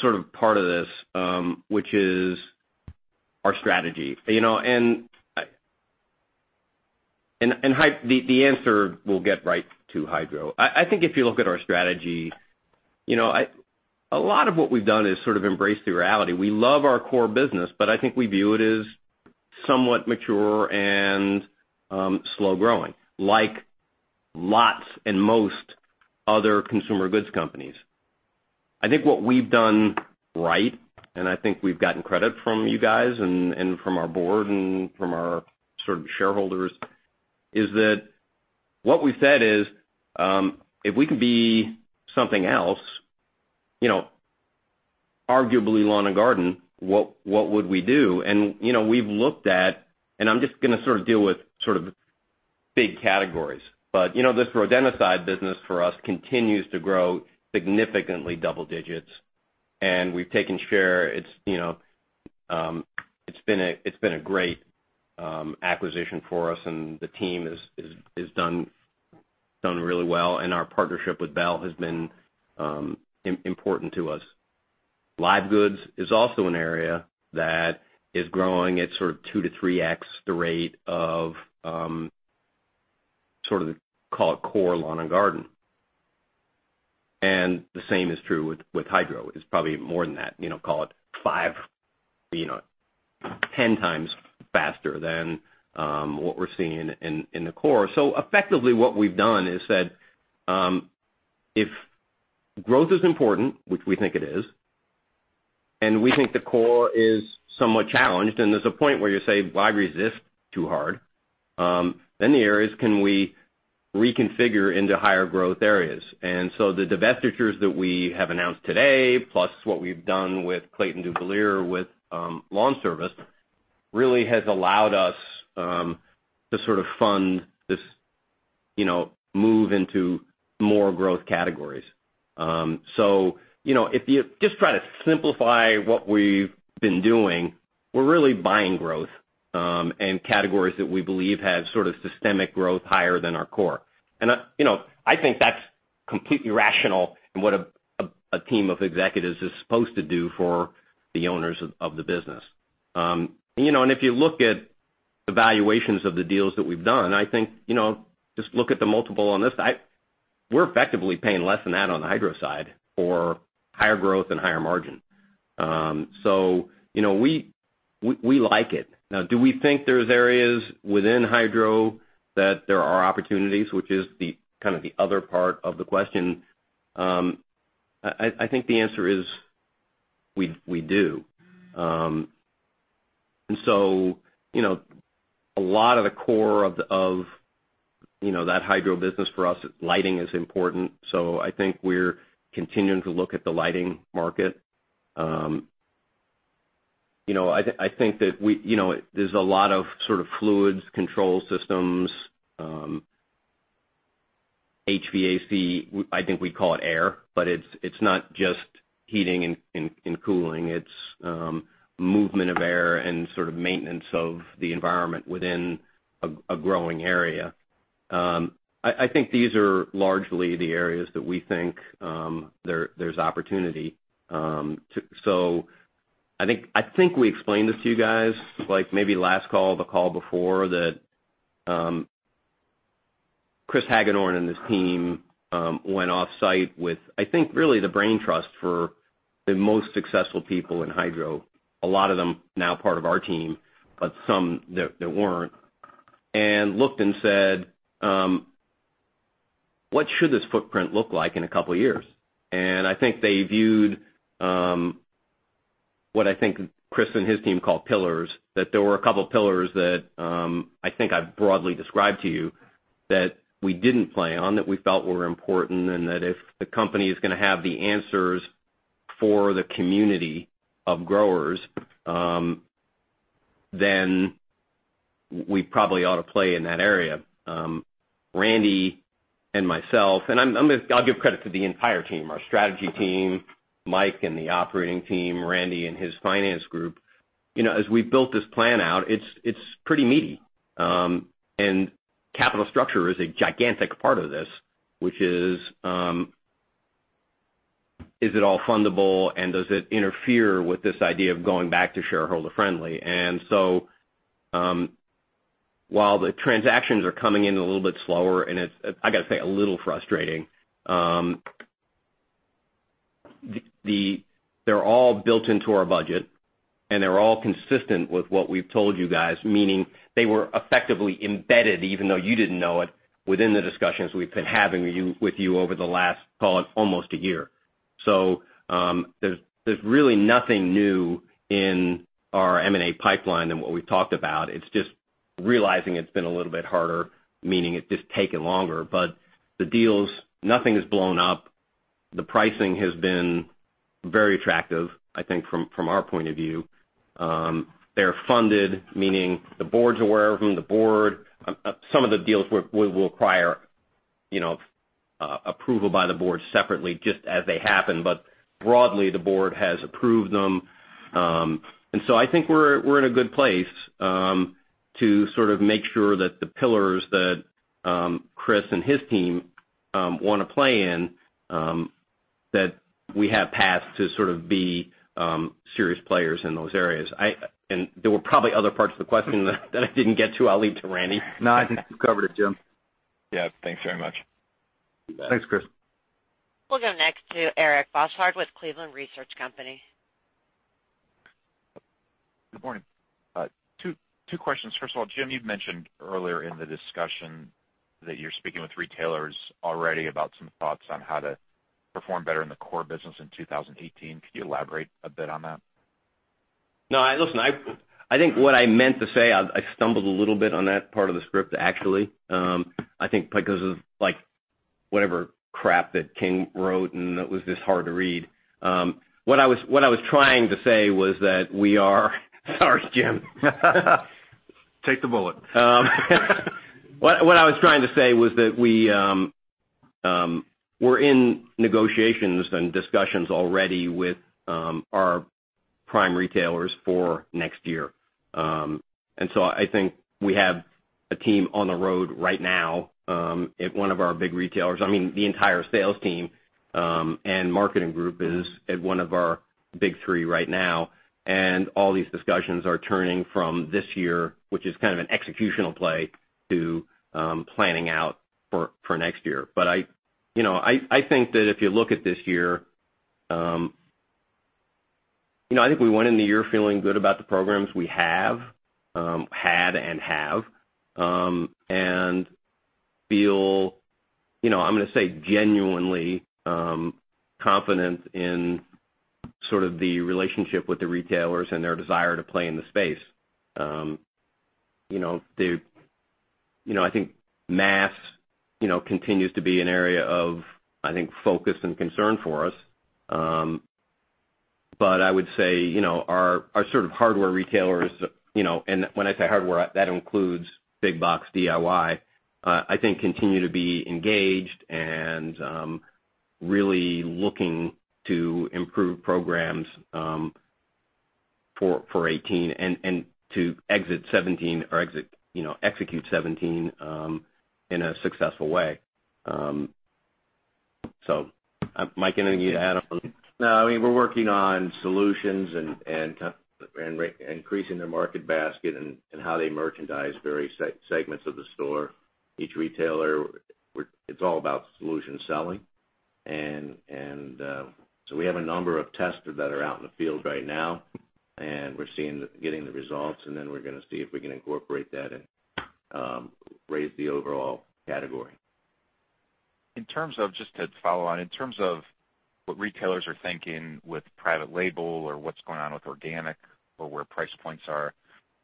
sort of part of this, which is our strategy. The answer will get right to hydro. I think if you look at our strategy, a lot of what we've done is sort of embrace the reality. We love our core business, but I think we view it as somewhat mature and slow growing, like lots and most other consumer goods companies. I think what we've done right, and I think we've gotten credit from you guys and from our board and from our shareholders, is that what we've said is, if we can be something else, arguably lawn and garden, what would we do? We've looked at, I'm just going to sort of deal with big categories. This rodenticide business for us continues to grow significantly double digits, and we've taken share. It's been a great acquisition for us, the team has done really well, and our partnership with Bell has been important to us. Live goods is also an area that is growing at sort of 2x-3x the rate of core lawn and garden. The same is true with hydro. It's probably more than that, call it 5, 10 times faster than what we're seeing in the core. Effectively what we've done is said, if growth is important, which we think it is, and we think the core is somewhat challenged, and there's a point where you say, why resist too hard? The area is, can we reconfigure into higher growth areas? The divestitures that we have announced today, plus what we've done with Clayton Dubilier with lawn service, really has allowed us to sort of fund this move into more growth categories. If you just try to simplify what we've been doing, we're really buying growth in categories that we believe have sort of systemic growth higher than our core. I think that's completely rational in what a team of executives is supposed to do for the owners of the business. If you look at the valuations of the deals that we've done, I think just look at the multiple on this. We're effectively paying less than that on the hydro side for higher growth and higher margin. We like it. Now, do we think there's areas within hydro that there are opportunities, which is the other part of the question? I think the answer is we do. A lot of the core of that hydro business for us, lighting is important. I think we're continuing to look at the lighting market. I think that there's a lot of sort of fluids, control systems, HVAC. I think we call it air, but it's not just heating and cooling. It's movement of air and sort of maintenance of the environment within a growing area. I think these are largely the areas that we think there's opportunity. I think we explained this to you guys maybe last call or the call before, that Chris Hagedorn and his team went off-site with, I think really the brain trust for the most successful people in hydro. A lot of them now part of our team, but some that weren't, looked and said, "What should this footprint look like in a couple of years?" I think they viewed what I think Chris and his team call pillars, that there were a couple of pillars that I think I've broadly described to you that we didn't play on, that we felt were important, and that if the company is going to have the answers for the community of growers, we probably ought to play in that area. Randy and myself, and I'll give credit to the entire team, our strategy team, Mike and the operating team, Randy and his finance group. As we've built this plan out, it's pretty meaty. Capital structure is a gigantic part of this, which is: Is it all fundable and does it interfere with this idea of going back to shareholder friendly? While the transactions are coming in a little bit slower, and it's, I got to say, a little frustrating. They're all built into our budget and they're all consistent with what we've told you guys, meaning they were effectively embedded, even though you didn't know it, within the discussions we've been having with you over the last, call it almost a year. There's really nothing new in our M&A pipeline than what we've talked about. It's just realizing it's been a little bit harder, meaning it's just taken longer. The deals, nothing has blown up. The pricing has been very attractive, I think from our point of view. They're funded, meaning the board's aware of them. Some of the deals will require approval by the board separately just as they happen, but broadly, the board has approved them. I think we're in a good place to sort of make sure that the pillars that Chris and his team want to play in, that we have paths to sort of be serious players in those areas. There were probably other parts of the question that I didn't get to. I'll leave to Randy. No, I think you covered it, Jim. Yeah. Thanks very much. You bet. Thanks, Chris. We'll go next to Eric Bosshard with Cleveland Research Company. Good morning. Two questions. First of all, Jim, you've mentioned earlier in the discussion that you're speaking with retailers already about some thoughts on how to perform better in the core business in 2018. Could you elaborate a bit on that? No, listen, I think what I meant to say, I stumbled a little bit on that part of the script, actually. I think because of whatever crap that King wrote, it was this hard to read. What I was trying to say was that we are Sorry, Jim. Take the bullet. What I was trying to say was that we're in negotiations and discussions already with our prime retailers for next year. I think we have a team on the road right now, at one of our big retailers. I mean, the entire sales team, and marketing group is at one of our big three right now, and all these discussions are turning from this year, which is kind of an executional play, to planning out for next year. I think that if you look at this year, I think we went into the year feeling good about the programs we have, had and have, and feel, I'm gonna say genuinely confident in sort of the relationship with the retailers and their desire to play in the space. I think mass continues to be an area of focus and concern for us. I would say, our sort of hardware retailers, and when I say hardware, that includes big box DIY, I think continue to be engaged and really looking to improve programs for 2018 and to exit 2017 or execute 2017 in a successful way. Mike, anything you'd add on? No, we're working on solutions and increasing their market basket and how they merchandise various segments of the store. Each retailer, it's all about solution selling. So we have a number of tests that are out in the field right now, and we're getting the results, and then we're gonna see if we can incorporate that and raise the overall category. In terms of, just to follow on, in terms of what retailers are thinking with private label or what's going on with organic or where price points are,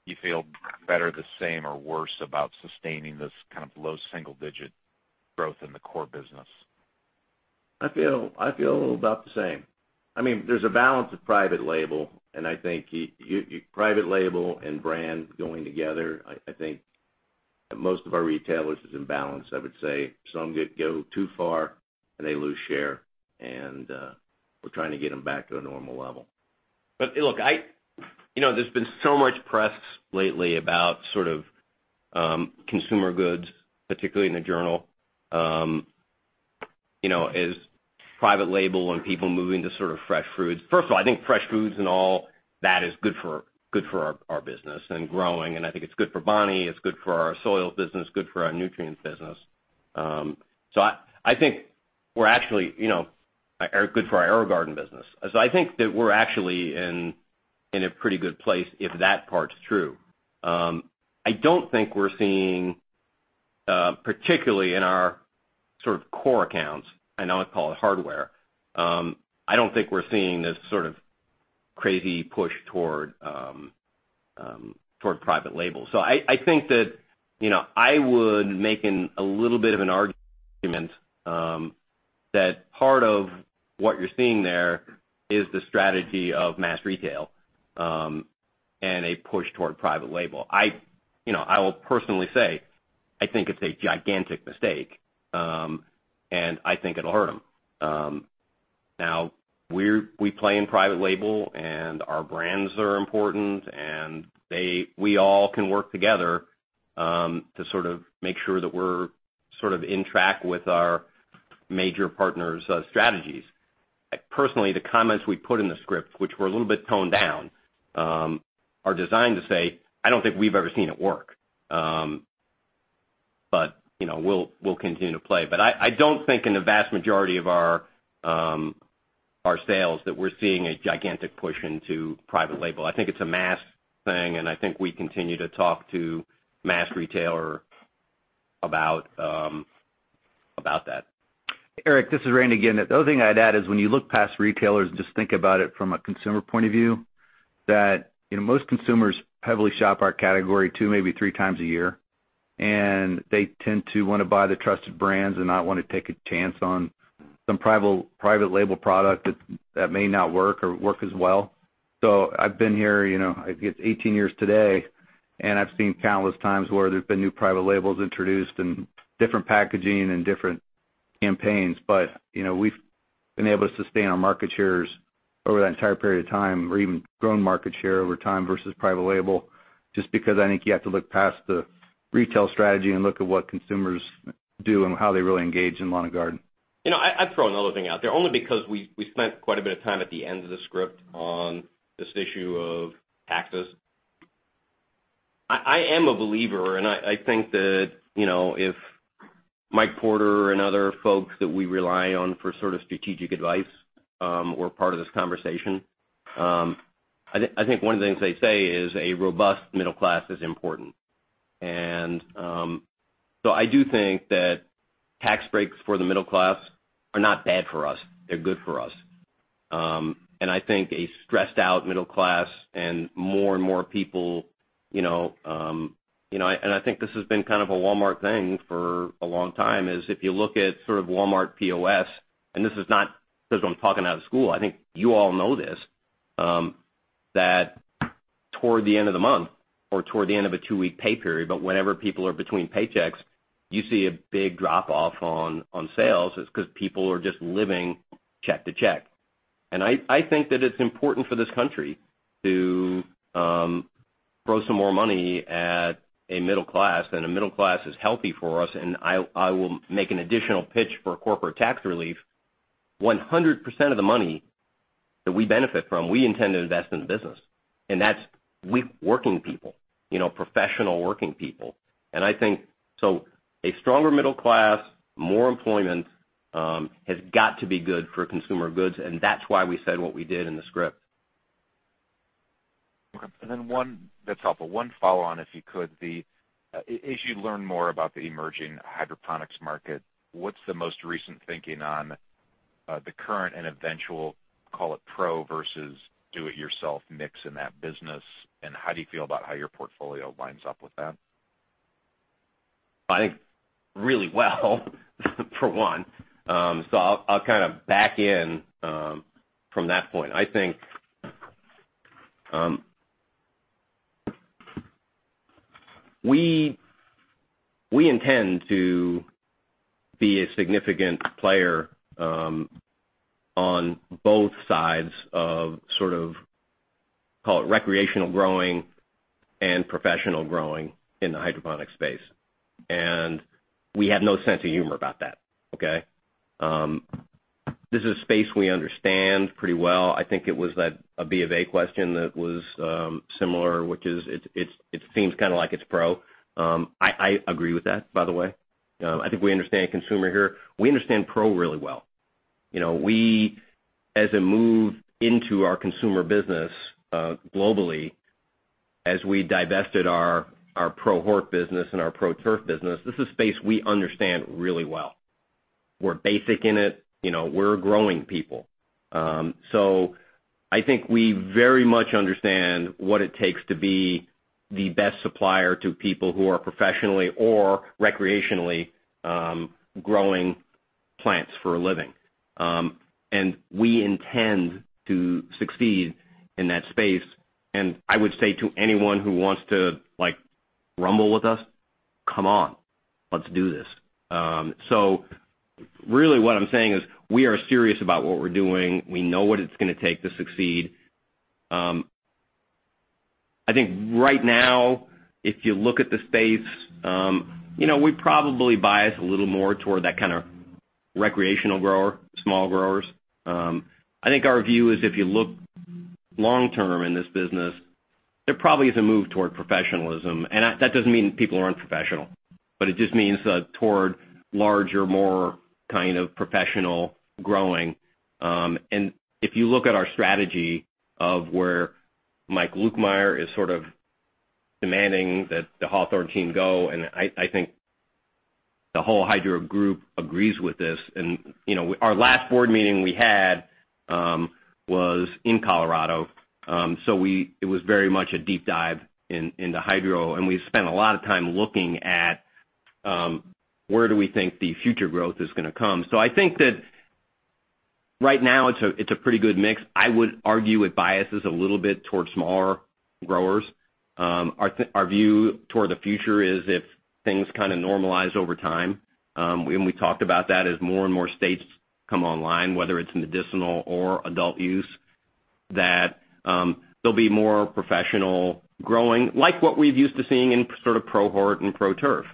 you feel better, the same, or worse about sustaining this kind of low single-digit growth in the core business? I feel about the same. There's a balance of private label, and I think private label and brand going together, I think that most of our retailers is in balance, I would say. Some go too far and they lose share, and we're trying to get them back to a normal level. Look, there's been so much press lately about consumer goods, particularly in the journal, is private label and people moving to sort of fresh foods. First of all, I think fresh foods and all that is good for our business and growing, and I think it's good for Bonnie, it's good for our soils business, good for our nutrients business. Good for our AeroGarden business. I think that we're actually in a pretty good place if that part's true. I don't think we're seeing, particularly in our sort of core accounts, I know it's called hardware, I don't think we're seeing this sort of crazy push toward private label. I think that I would make a little bit of an argument that part of what you're seeing there is the strategy of mass retail, and a push toward private label. I will personally say, I think it's a gigantic mistake, and I think it'll hurt them. We play in private label, and our brands are important, and we all can work together to sort of make sure that we're on track with our major partners' strategies. Personally, the comments we put in the script, which were a little bit toned down, are designed to say, I don't think we've ever seen it work. We'll continue to play. I don't think in the vast majority of our sales that we're seeing a gigantic push into private label. I think it's a mass thing, and I think we continue to talk to mass retailers about that. Eric, this is Randy again. The other thing I'd add is when you look past retailers and just think about it from a consumer point of view, that most consumers heavily shop our category two, maybe three times a year, and they tend to want to buy the trusted brands and not want to take a chance on some private label product that may not work or work as well. I've been here, I guess 18 years today, and I've seen countless times where there's been new private labels introduced and different packaging and different campaigns. We've been able to sustain our market shares over that entire period of time, or even grown market share over time versus private label, just because I think you have to look past the retail strategy and look at what consumers do and how they really engage in Lawn & Garden. I'd throw another thing out there, only because we spent quite a bit of time at the end of the script on this issue of taxes. I am a believer, and I think that if Michael Porter and other folks that we rely on for strategic advice were part of this conversation, I think one of the things they'd say is a robust middle class is important. I do think that tax breaks for the middle class are not bad for us. They're good for us. I think a stressed-out middle class and more and more people, and I think this has been kind of a Walmart thing for a long time, is if you look at Walmart POS, and this is not because I'm talking out of school, I think you all know this, that toward the end of the month or toward the end of a two-week pay period, but whenever people are between paychecks, you see a big drop-off on sales. It's because people are just living check to check. I think that it's important for this country to throw some more money at a middle class, and a middle class is healthy for us, and I will make an additional pitch for corporate tax relief. 100% of the money that we benefit from, we intend to invest in the business. That's with working people, professional working people. I think a stronger middle class, more employment, has got to be good for consumer goods, and that's why we said what we did in the script. Okay. That's helpful. One follow-on, if you could. As you learn more about the emerging hydroponics market, what's the most recent thinking on the current and eventual, call it pro versus do-it-yourself mix in that business, and how do you feel about how your portfolio lines up with that? I think really well, for one. I'll kind of back in from that point. I think we intend to be a significant player on both sides of sort of call it recreational growing and professional growing in the hydroponic space. We have no sense of humor about that, okay? This is a space we understand pretty well. I think it was a BofA question that was similar, which is it seems kind of like it's pro. I agree with that, by the way. I think we understand consumer here. We understand pro really well. We, as a move into our consumer business globally, as we divested our pro-hort business and our pro-turf business, this is space we understand really well. We're basic in it. We're growing people. I think we very much understand what it takes to be the best supplier to people who are professionally or recreationally growing plants for a living. We intend to succeed in that space. I would say to anyone who wants to rumble with us, "Come on, let's do this." Really what I'm saying is we are serious about what we're doing. We know what it's going to take to succeed. I think right now, if you look at the space, we probably bias a little more toward that kind of recreational grower, small growers. I think our view is if you look long-term in this business, there probably is a move toward professionalism. That doesn't mean people are unprofessional, but it just means toward larger, more kind of professional growing. If you look at our strategy of where Mike Lukemire is sort of demanding that the Hawthorne team go, I think the whole Hydro Group agrees with this. Our last board meeting we had was in Colorado. It was very much a deep dive into Hydro. We spent a lot of time looking at where do we think the future growth is going to come. I think that right now it's a pretty good mix. I would argue it biases a little bit towards smaller growers. Our view toward the future is if things kind of normalize over time, and we talked about that as more and more states come online, whether it's medicinal or adult use, there'll be more professional growing, like what we've used to seeing in sort of pro-hort and pro-turf.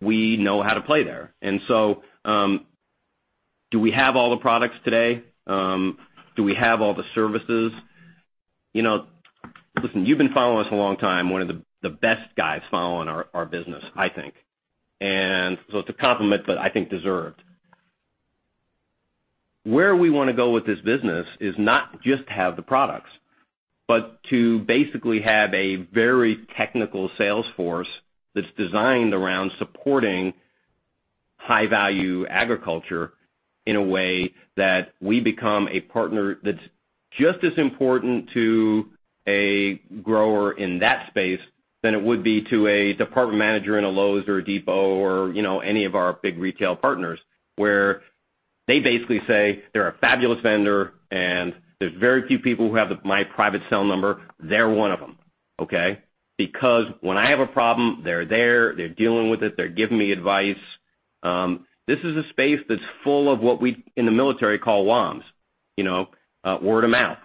We know how to play there. Do we have all the products today? Do we have all the services? Listen, you've been following us a long time, one of the best guys following our business, I think. It's a compliment, but I think deserved. Where we want to go with this business is not just have the products, but to basically have a very technical sales force that's designed around supporting high-value agriculture in a way that we become a partner that's just as important to a grower in that space than it would be to a department manager in a Lowe's or a Depot or any of our big retail partners, where they basically say, "They're a fabulous vendor, and there's very few people who have my private cell number. They're one of them, okay? When I have a problem, they're there, they're dealing with it, they're giving me advice." This is a space that's full of what we in the military call WOM, word of mouth.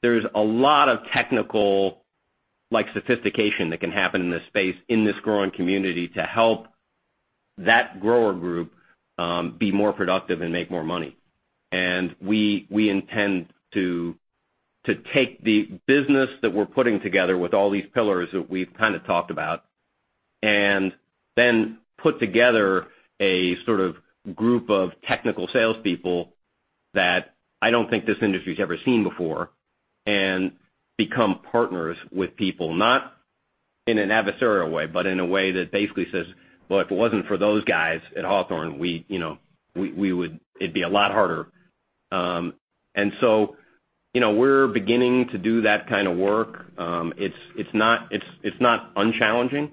There's a lot of technical sophistication that can happen in this space in this growing community to help that grower group be more productive and make more money. We intend to take the business that we're putting together with all these pillars that we've kind of talked about, and then put together a sort of group of technical salespeople that I don't think this industry's ever seen before, and become partners with people, not in an adversarial way, but in a way that basically says, "Well, if it wasn't for those guys at Hawthorne, it'd be a lot harder." We're beginning to do that kind of work. It's not unchallenging.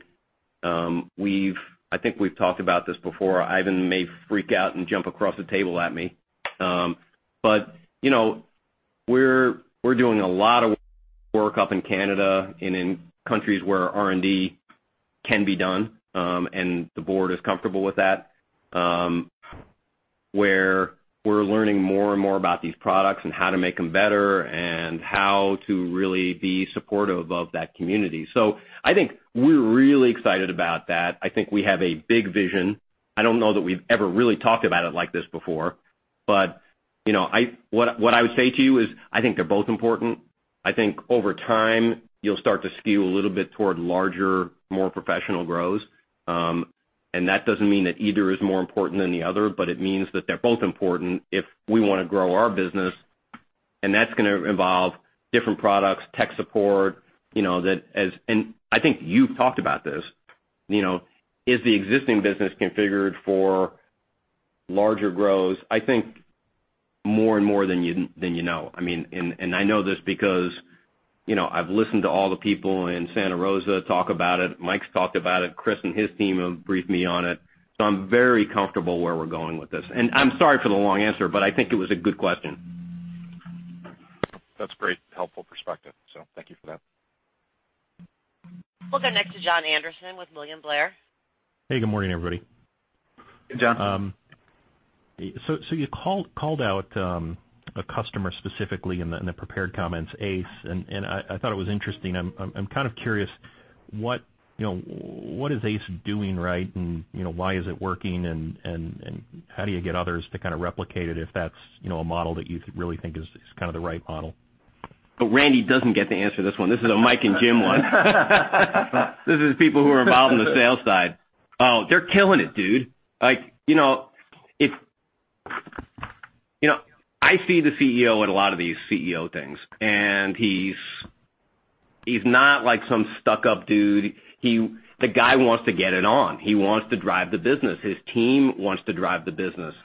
I think we've talked about this before. Ivan may freak out and jump across the table at me. We're doing a lot of work up in Canada and in countries where R&D can be done, and the board is comfortable with that, where we're learning more and more about these products and how to make them better, and how to really be supportive of that community. I think we're really excited about that. I think we have a big vision. I don't know that we've ever really talked about it like this before, but what I would say to you is, I think they're both important. I think over time, you'll start to skew a little bit toward larger, more professional grows. That doesn't mean that either is more important than the other, it means that they're both important if we want to grow our business, that's going to involve different products, tech support. I think you've talked about this. Is the existing business configured for larger grows? I think more and more than you know. I know this because I've listened to all the people in Santa Rosa talk about it. Mike's talked about it. Chris and his team have briefed me on it. I'm very comfortable where we're going with this. I'm sorry for the long answer, but I think it was a good question. That's great, helpful perspective, thank you for that. We'll go next to Jon Andersen with William Blair. Hey, good morning, everybody. Hey, Jon. You called out a customer specifically in the prepared comments, Ace, and I thought it was interesting. I'm kind of curious, what is Ace doing right, and why is it working, and how do you get others to kind of replicate it if that's a model that you really think is kind of the right model? Randy doesn't get to answer this one. This is a Mike and Jim one. This is people who are involved in the sales side. Oh, they're killing it, dude. I see the CEO at a lot of these CEO things, and he's not like some stuck-up dude. The guy wants to get it on. He wants to drive the business. His team wants to drive the business.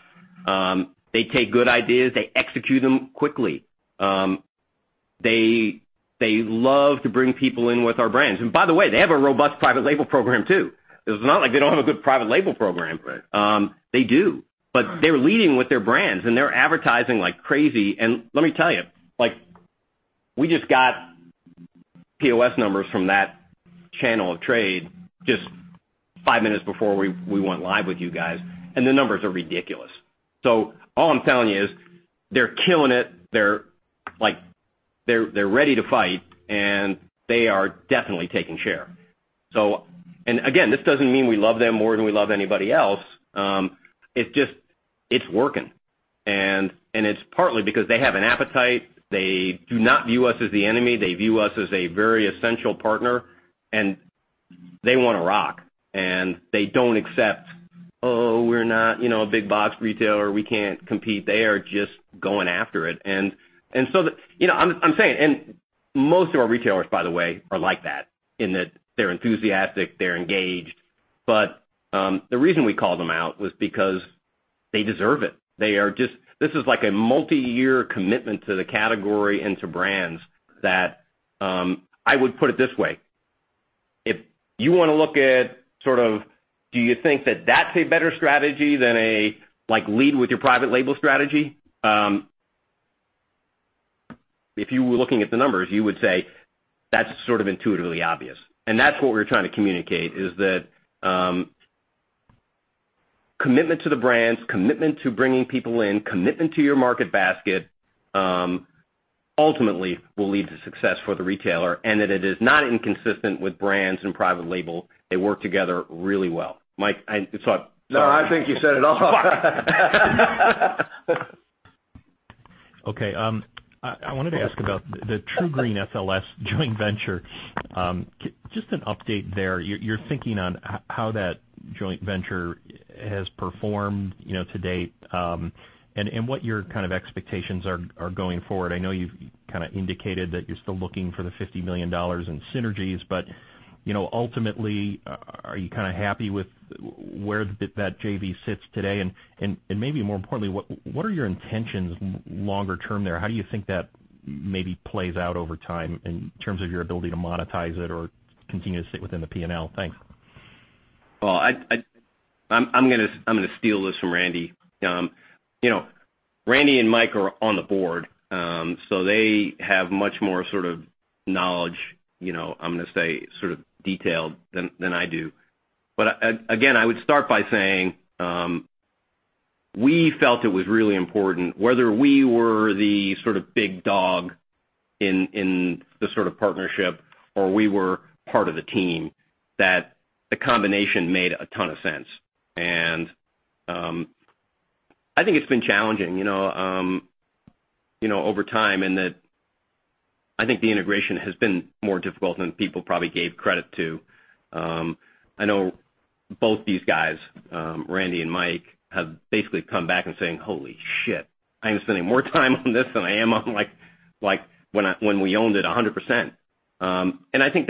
They take good ideas. They execute them quickly. They love to bring people in with our brands. By the way, they have a robust private label program, too. It's not like they don't have a good private label program. Right. They do. They're leading with their brands, and they're advertising like crazy. Let me tell you, we just got POS numbers from that channel of trade just five minutes before we went live with you guys, and the numbers are ridiculous. All I'm telling you is they're killing it, they're ready to fight, and they are definitely taking share. Again, this doesn't mean we love them more than we love anybody else. It's just, it's working. It's partly because they have an appetite. They do not view us as the enemy. They view us as a very essential partner, and they want to rock, and they don't accept, "Oh, we're not a big box retailer. We can't compete." They are just going after it. I'm saying, and most of our retailers, by the way, are like that, in that they're enthusiastic, they're engaged. The reason we called them out was because they deserve it. This is like a multi-year commitment to the category and to brands that. I would put it this way. If you want to look at sort of, do you think that that's a better strategy than a lead-with-your-private-label strategy? If you were looking at the numbers, you would say that's sort of intuitively obvious. That's what we're trying to communicate, is that commitment to the brands, commitment to bringing people in, commitment to your market basket, ultimately will lead to success for the retailer, and that it is not inconsistent with brands and private label. They work together really well. Mike, I thought- I think you said it all. Fuck. I wanted to ask about the TruGreen/SLS joint venture. Just an update there. You're thinking on how that joint venture has performed to date, and what your kind of expectations are going forward. I know you've kind of indicated that you're still looking for the $50 million in synergies, but ultimately, are you kind of happy with where that JV sits today? Maybe more importantly, what are your intentions longer term there? How do you think that maybe plays out over time in terms of your ability to monetize it or continue to sit within the P&L? Thanks. I'm going to steal this from Randy. Randy and Mike are on the board, so they have much more sort of knowledge, I'm going to say, sort of detailed than I do. Again, I would start by saying We felt it was really important, whether we were the big dog in this sort of partnership or we were part of the team, that the combination made a ton of sense. I think it's been challenging over time in that I think the integration has been more difficult than people probably gave credit to. I know both these guys, Randy and Mike, have basically come back and saying, "Holy shit, I am spending more time on this than I am on when we owned it 100%." I think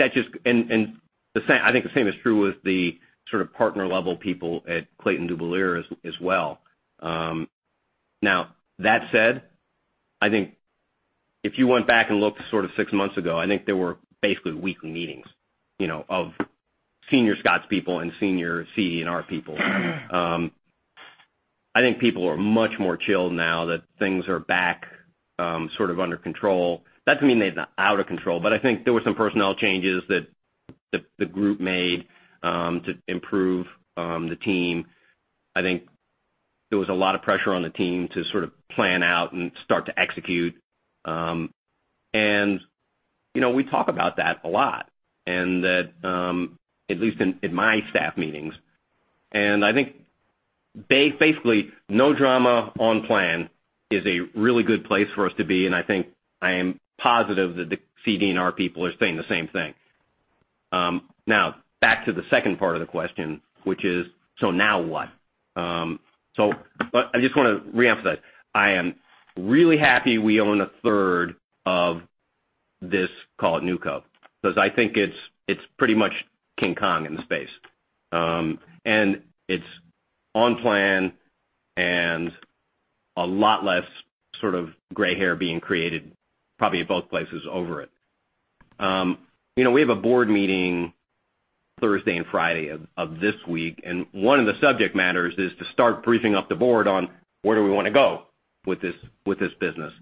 the same is true with the sort of partner-level people at Clayton Dubilier as well. That said, I think if you went back and looked sort of 6 months ago, I think there were basically weekly meetings of senior Scotts people and senior CD&R people. I think people are much more chilled now that things are back under control. Not that they've been out of control, but I think there were some personnel changes that the group made to improve the team. I think there was a lot of pressure on the team to sort of plan out and start to execute. We talk about that a lot, at least in my staff meetings. I think basically, no drama on plan is a really good place for us to be, and I think I am positive that the CD&R people are saying the same thing. Back to the second part of the question, which is, now what? I just want to reemphasize, I am really happy we own a third of this, call it NewCo, because I think it's pretty much King Kong in the space. It's on plan and a lot less gray hair being created, probably at both places over it. We have a board meeting Thursday and Friday of this week, one of the subject matters is to start briefing up the board on where do we want to go with this business.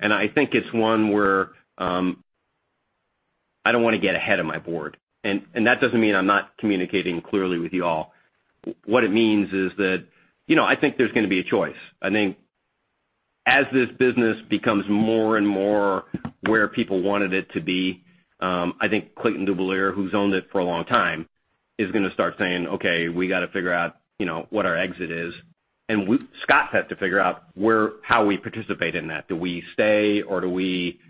I think it's one where I don't want to get ahead of my board. That doesn't mean I'm not communicating clearly with you all. What it means is that I think there's going to be a choice. I think as this business becomes more and more where people wanted it to be, I think Clayton Dubilier, who's owned it for a long time, is going to start saying, "Okay, we got to figure out what our exit is." Scotts has to figure out how we participate in that. Do we stay or do we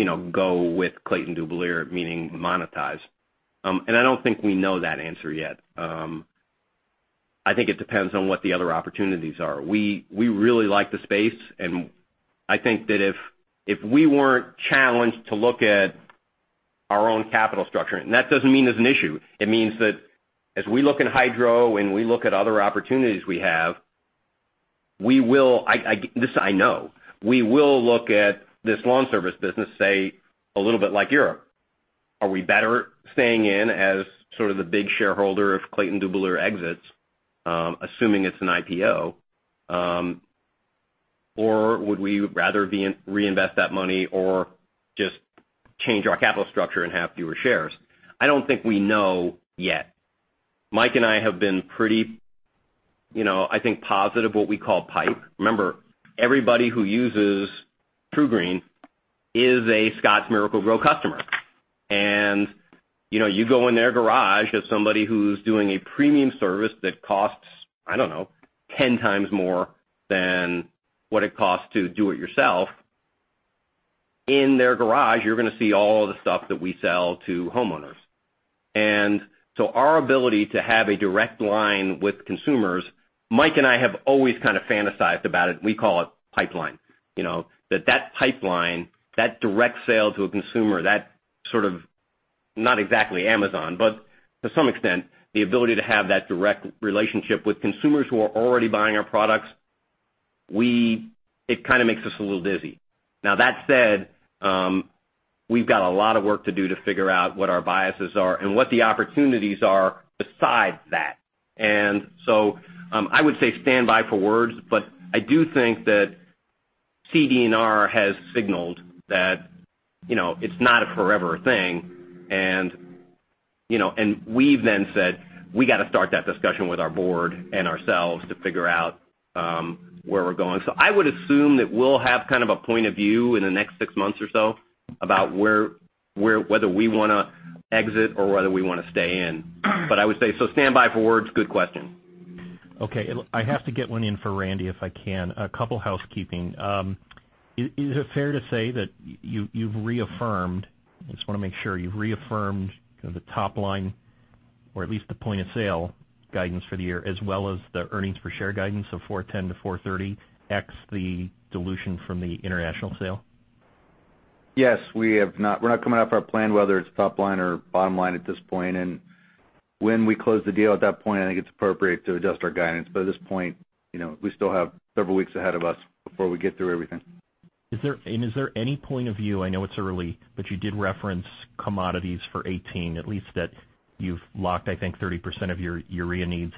go with Clayton Dubilier, meaning monetize? I don't think we know that answer yet. I think it depends on what the other opportunities are. We really like the space, and I think that if we weren't challenged to look at our own capital structure, that doesn't mean there's an issue. It means that as we look in hydro and we look at other opportunities we have, this I know, we will look at this lawn service business, say, a little bit like Europe. Are we better staying in as sort of the big shareholder if Clayton Dubilier exits, assuming it's an IPO? Would we rather reinvest that money or just change our capital structure and have fewer shares? I don't think we know yet. Mike and I have been pretty positive what we call pipe. Remember, everybody who uses TruGreen is a Scotts Miracle-Gro customer. You go in their garage as somebody who's doing a premium service that costs 10 times more than what it costs to do it yourself. In their garage, you're going to see all the stuff that we sell to homeowners. Our ability to have a direct line with consumers, Mike and I have always kind of fantasized about it. We call it pipeline. That pipeline, that direct sale to a consumer, that sort of, not exactly Amazon, but to some extent, the ability to have that direct relationship with consumers who are already buying our products, it kind of makes us a little dizzy. That said, we've got a lot of work to do to figure out what our biases are and what the opportunities are besides that. I would say stand by for words, but I do think that CD&R has signaled that it's not a forever thing. We've then said we got to start that discussion with our board and ourselves to figure out where we're going. I would assume that we'll have kind of a point of view in the next 6 months or so about whether we want to exit or whether we want to stay in. I would say, stand by for words. Good question. Okay. I have to get one in for Randy, if I can. A couple housekeeping. Is it fair to say that you've reaffirmed, I just want to make sure, you've reaffirmed the top line, or at least the point-of-sale guidance for the year, as well as the earnings per share guidance of $4.10-$4.30, ex the dilution from the international sale? Yes. We're not coming off our plan, whether it's top line or bottom line at this point. When we close the deal at that point, I think it's appropriate to adjust our guidance. At this point, we still have several weeks ahead of us before we get through everything. Is there any point of view, I know it's early, but you did reference commodities for 2018, at least that you've locked, I think, 30% of your urea needs.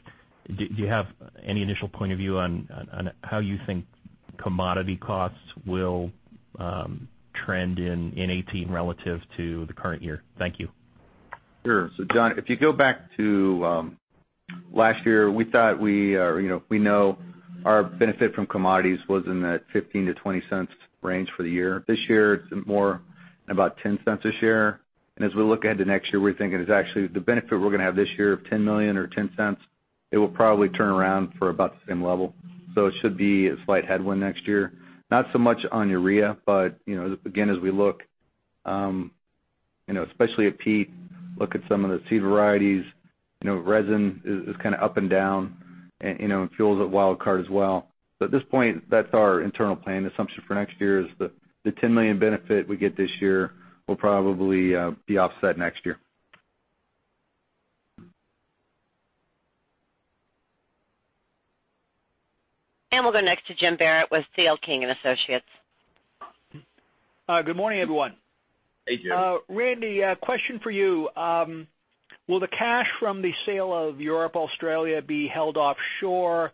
Do you have any initial point of view on how you think commodity costs will trend in 2018 relative to the current year? Thank you. Sure. Jon, if you go back to last year, we know our benefit from commodities was in that $0.15-$0.20 range for the year. This year it's more about $0.10 a share. As we look ahead to next year, we're thinking it's actually the benefit we're going to have this year of $10 million or $0.10, it will probably turn around for about the same level. It should be a slight headwind next year. Not so much on urea, but again, as we look, especially at peat, look at some of the seed varieties, resin is kind of up and down, and fuel's a wild card as well. At this point, that's our internal plan assumption for next year is the $10 million benefit we get this year will probably be offset next year. We'll go next to James Barrett with C.L. King & Associates. Hi. Good morning, everyone. Hey, Jim. Randy, a question for you. Will the cash from the sale of Europe, Australia be held offshore?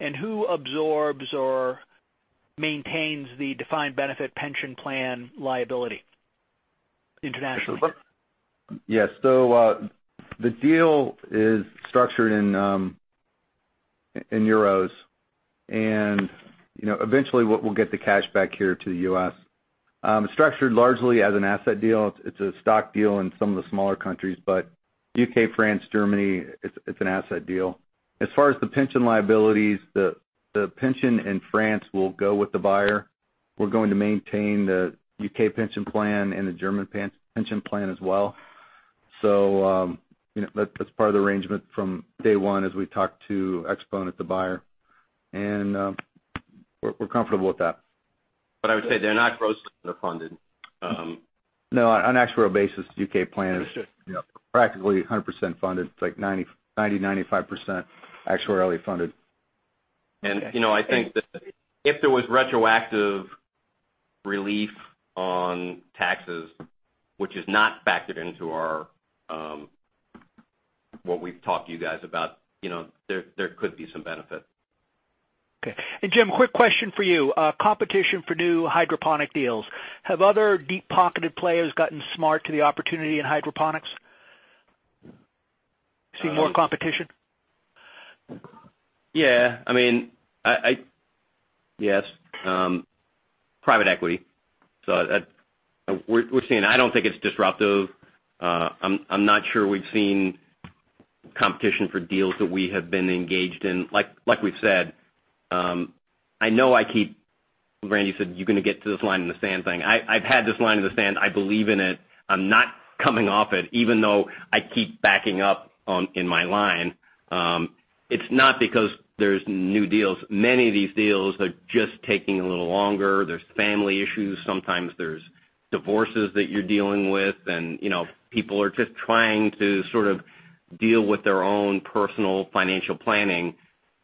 Who absorbs or maintains the defined benefit pension plan liability internationally? Yes. The deal is structured in euros and eventually we'll get the cash back here to the U.S. It's structured largely as an asset deal. It's a stock deal in some of the smaller countries, but U.K., France, Germany, it's an asset deal. As far as the pension liabilities, the pension in France will go with the buyer. We're going to maintain the U.K. pension plan and the German pension plan as well. That's part of the arrangement from day one as we talked to Exponent, the buyer. We're comfortable with that. I would say they're not grossly underfunded. No, on an actual basis, the U.K. plan is practically 100% funded. It's like 90%-95% actuarially funded. I think that if there was retroactive relief on taxes, which is not factored into what we've talked to you guys about, there could be some benefit. Okay. Jim, quick question for you. Competition for new hydroponic deals. Have other deep-pocketed players gotten smart to the opportunity in hydroponics? See more competition? Yeah. Yes. Private equity. We're seeing, I don't think it's disruptive. I'm not sure we've seen competition for deals that we have been engaged in. Like we've said, Randy said you're going to get to this line in the sand thing. I've had this line in the sand. I believe in it. I'm not coming off it, even though I keep backing up in my line. It's not because there's new deals. Many of these deals are just taking a little longer. There's family issues. Sometimes there's divorces that you're dealing with, and people are just trying to sort of deal with their own personal financial planning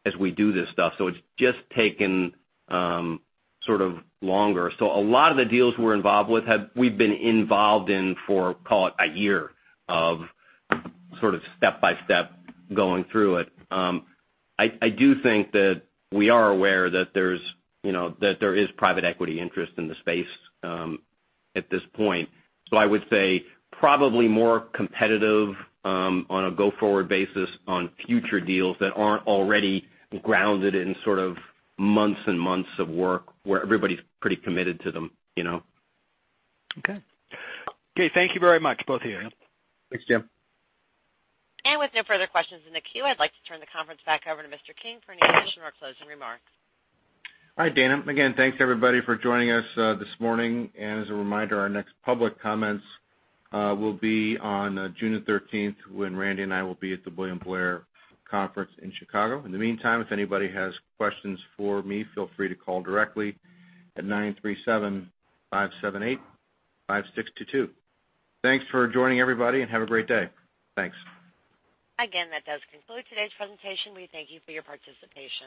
as we do this stuff. It's just taken sort of longer. A lot of the deals we're involved with we've been involved in for, call it a year of sort of step-by-step going through it. I do think that we are aware that there is private equity interest in the space at this point. I would say probably more competitive on a go-forward basis on future deals that aren't already grounded in sort of months and months of work where everybody's pretty committed to them. Okay. Thank you very much, both of you. Thanks, Jim. With no further questions in the queue, I'd like to turn the conference back over to Mr. King for any additional or closing remarks. All right, Dana. Again, thanks everybody for joining us this morning. As a reminder, our next public comments will be on June the 13th when Randy and I will be at the William Blair Conference in Chicago. In the meantime, if anybody has questions for me, feel free to call directly at 937-578-5622. Thanks for joining everybody, and have a great day. Thanks. Again, that does conclude today's presentation. We thank you for your participation.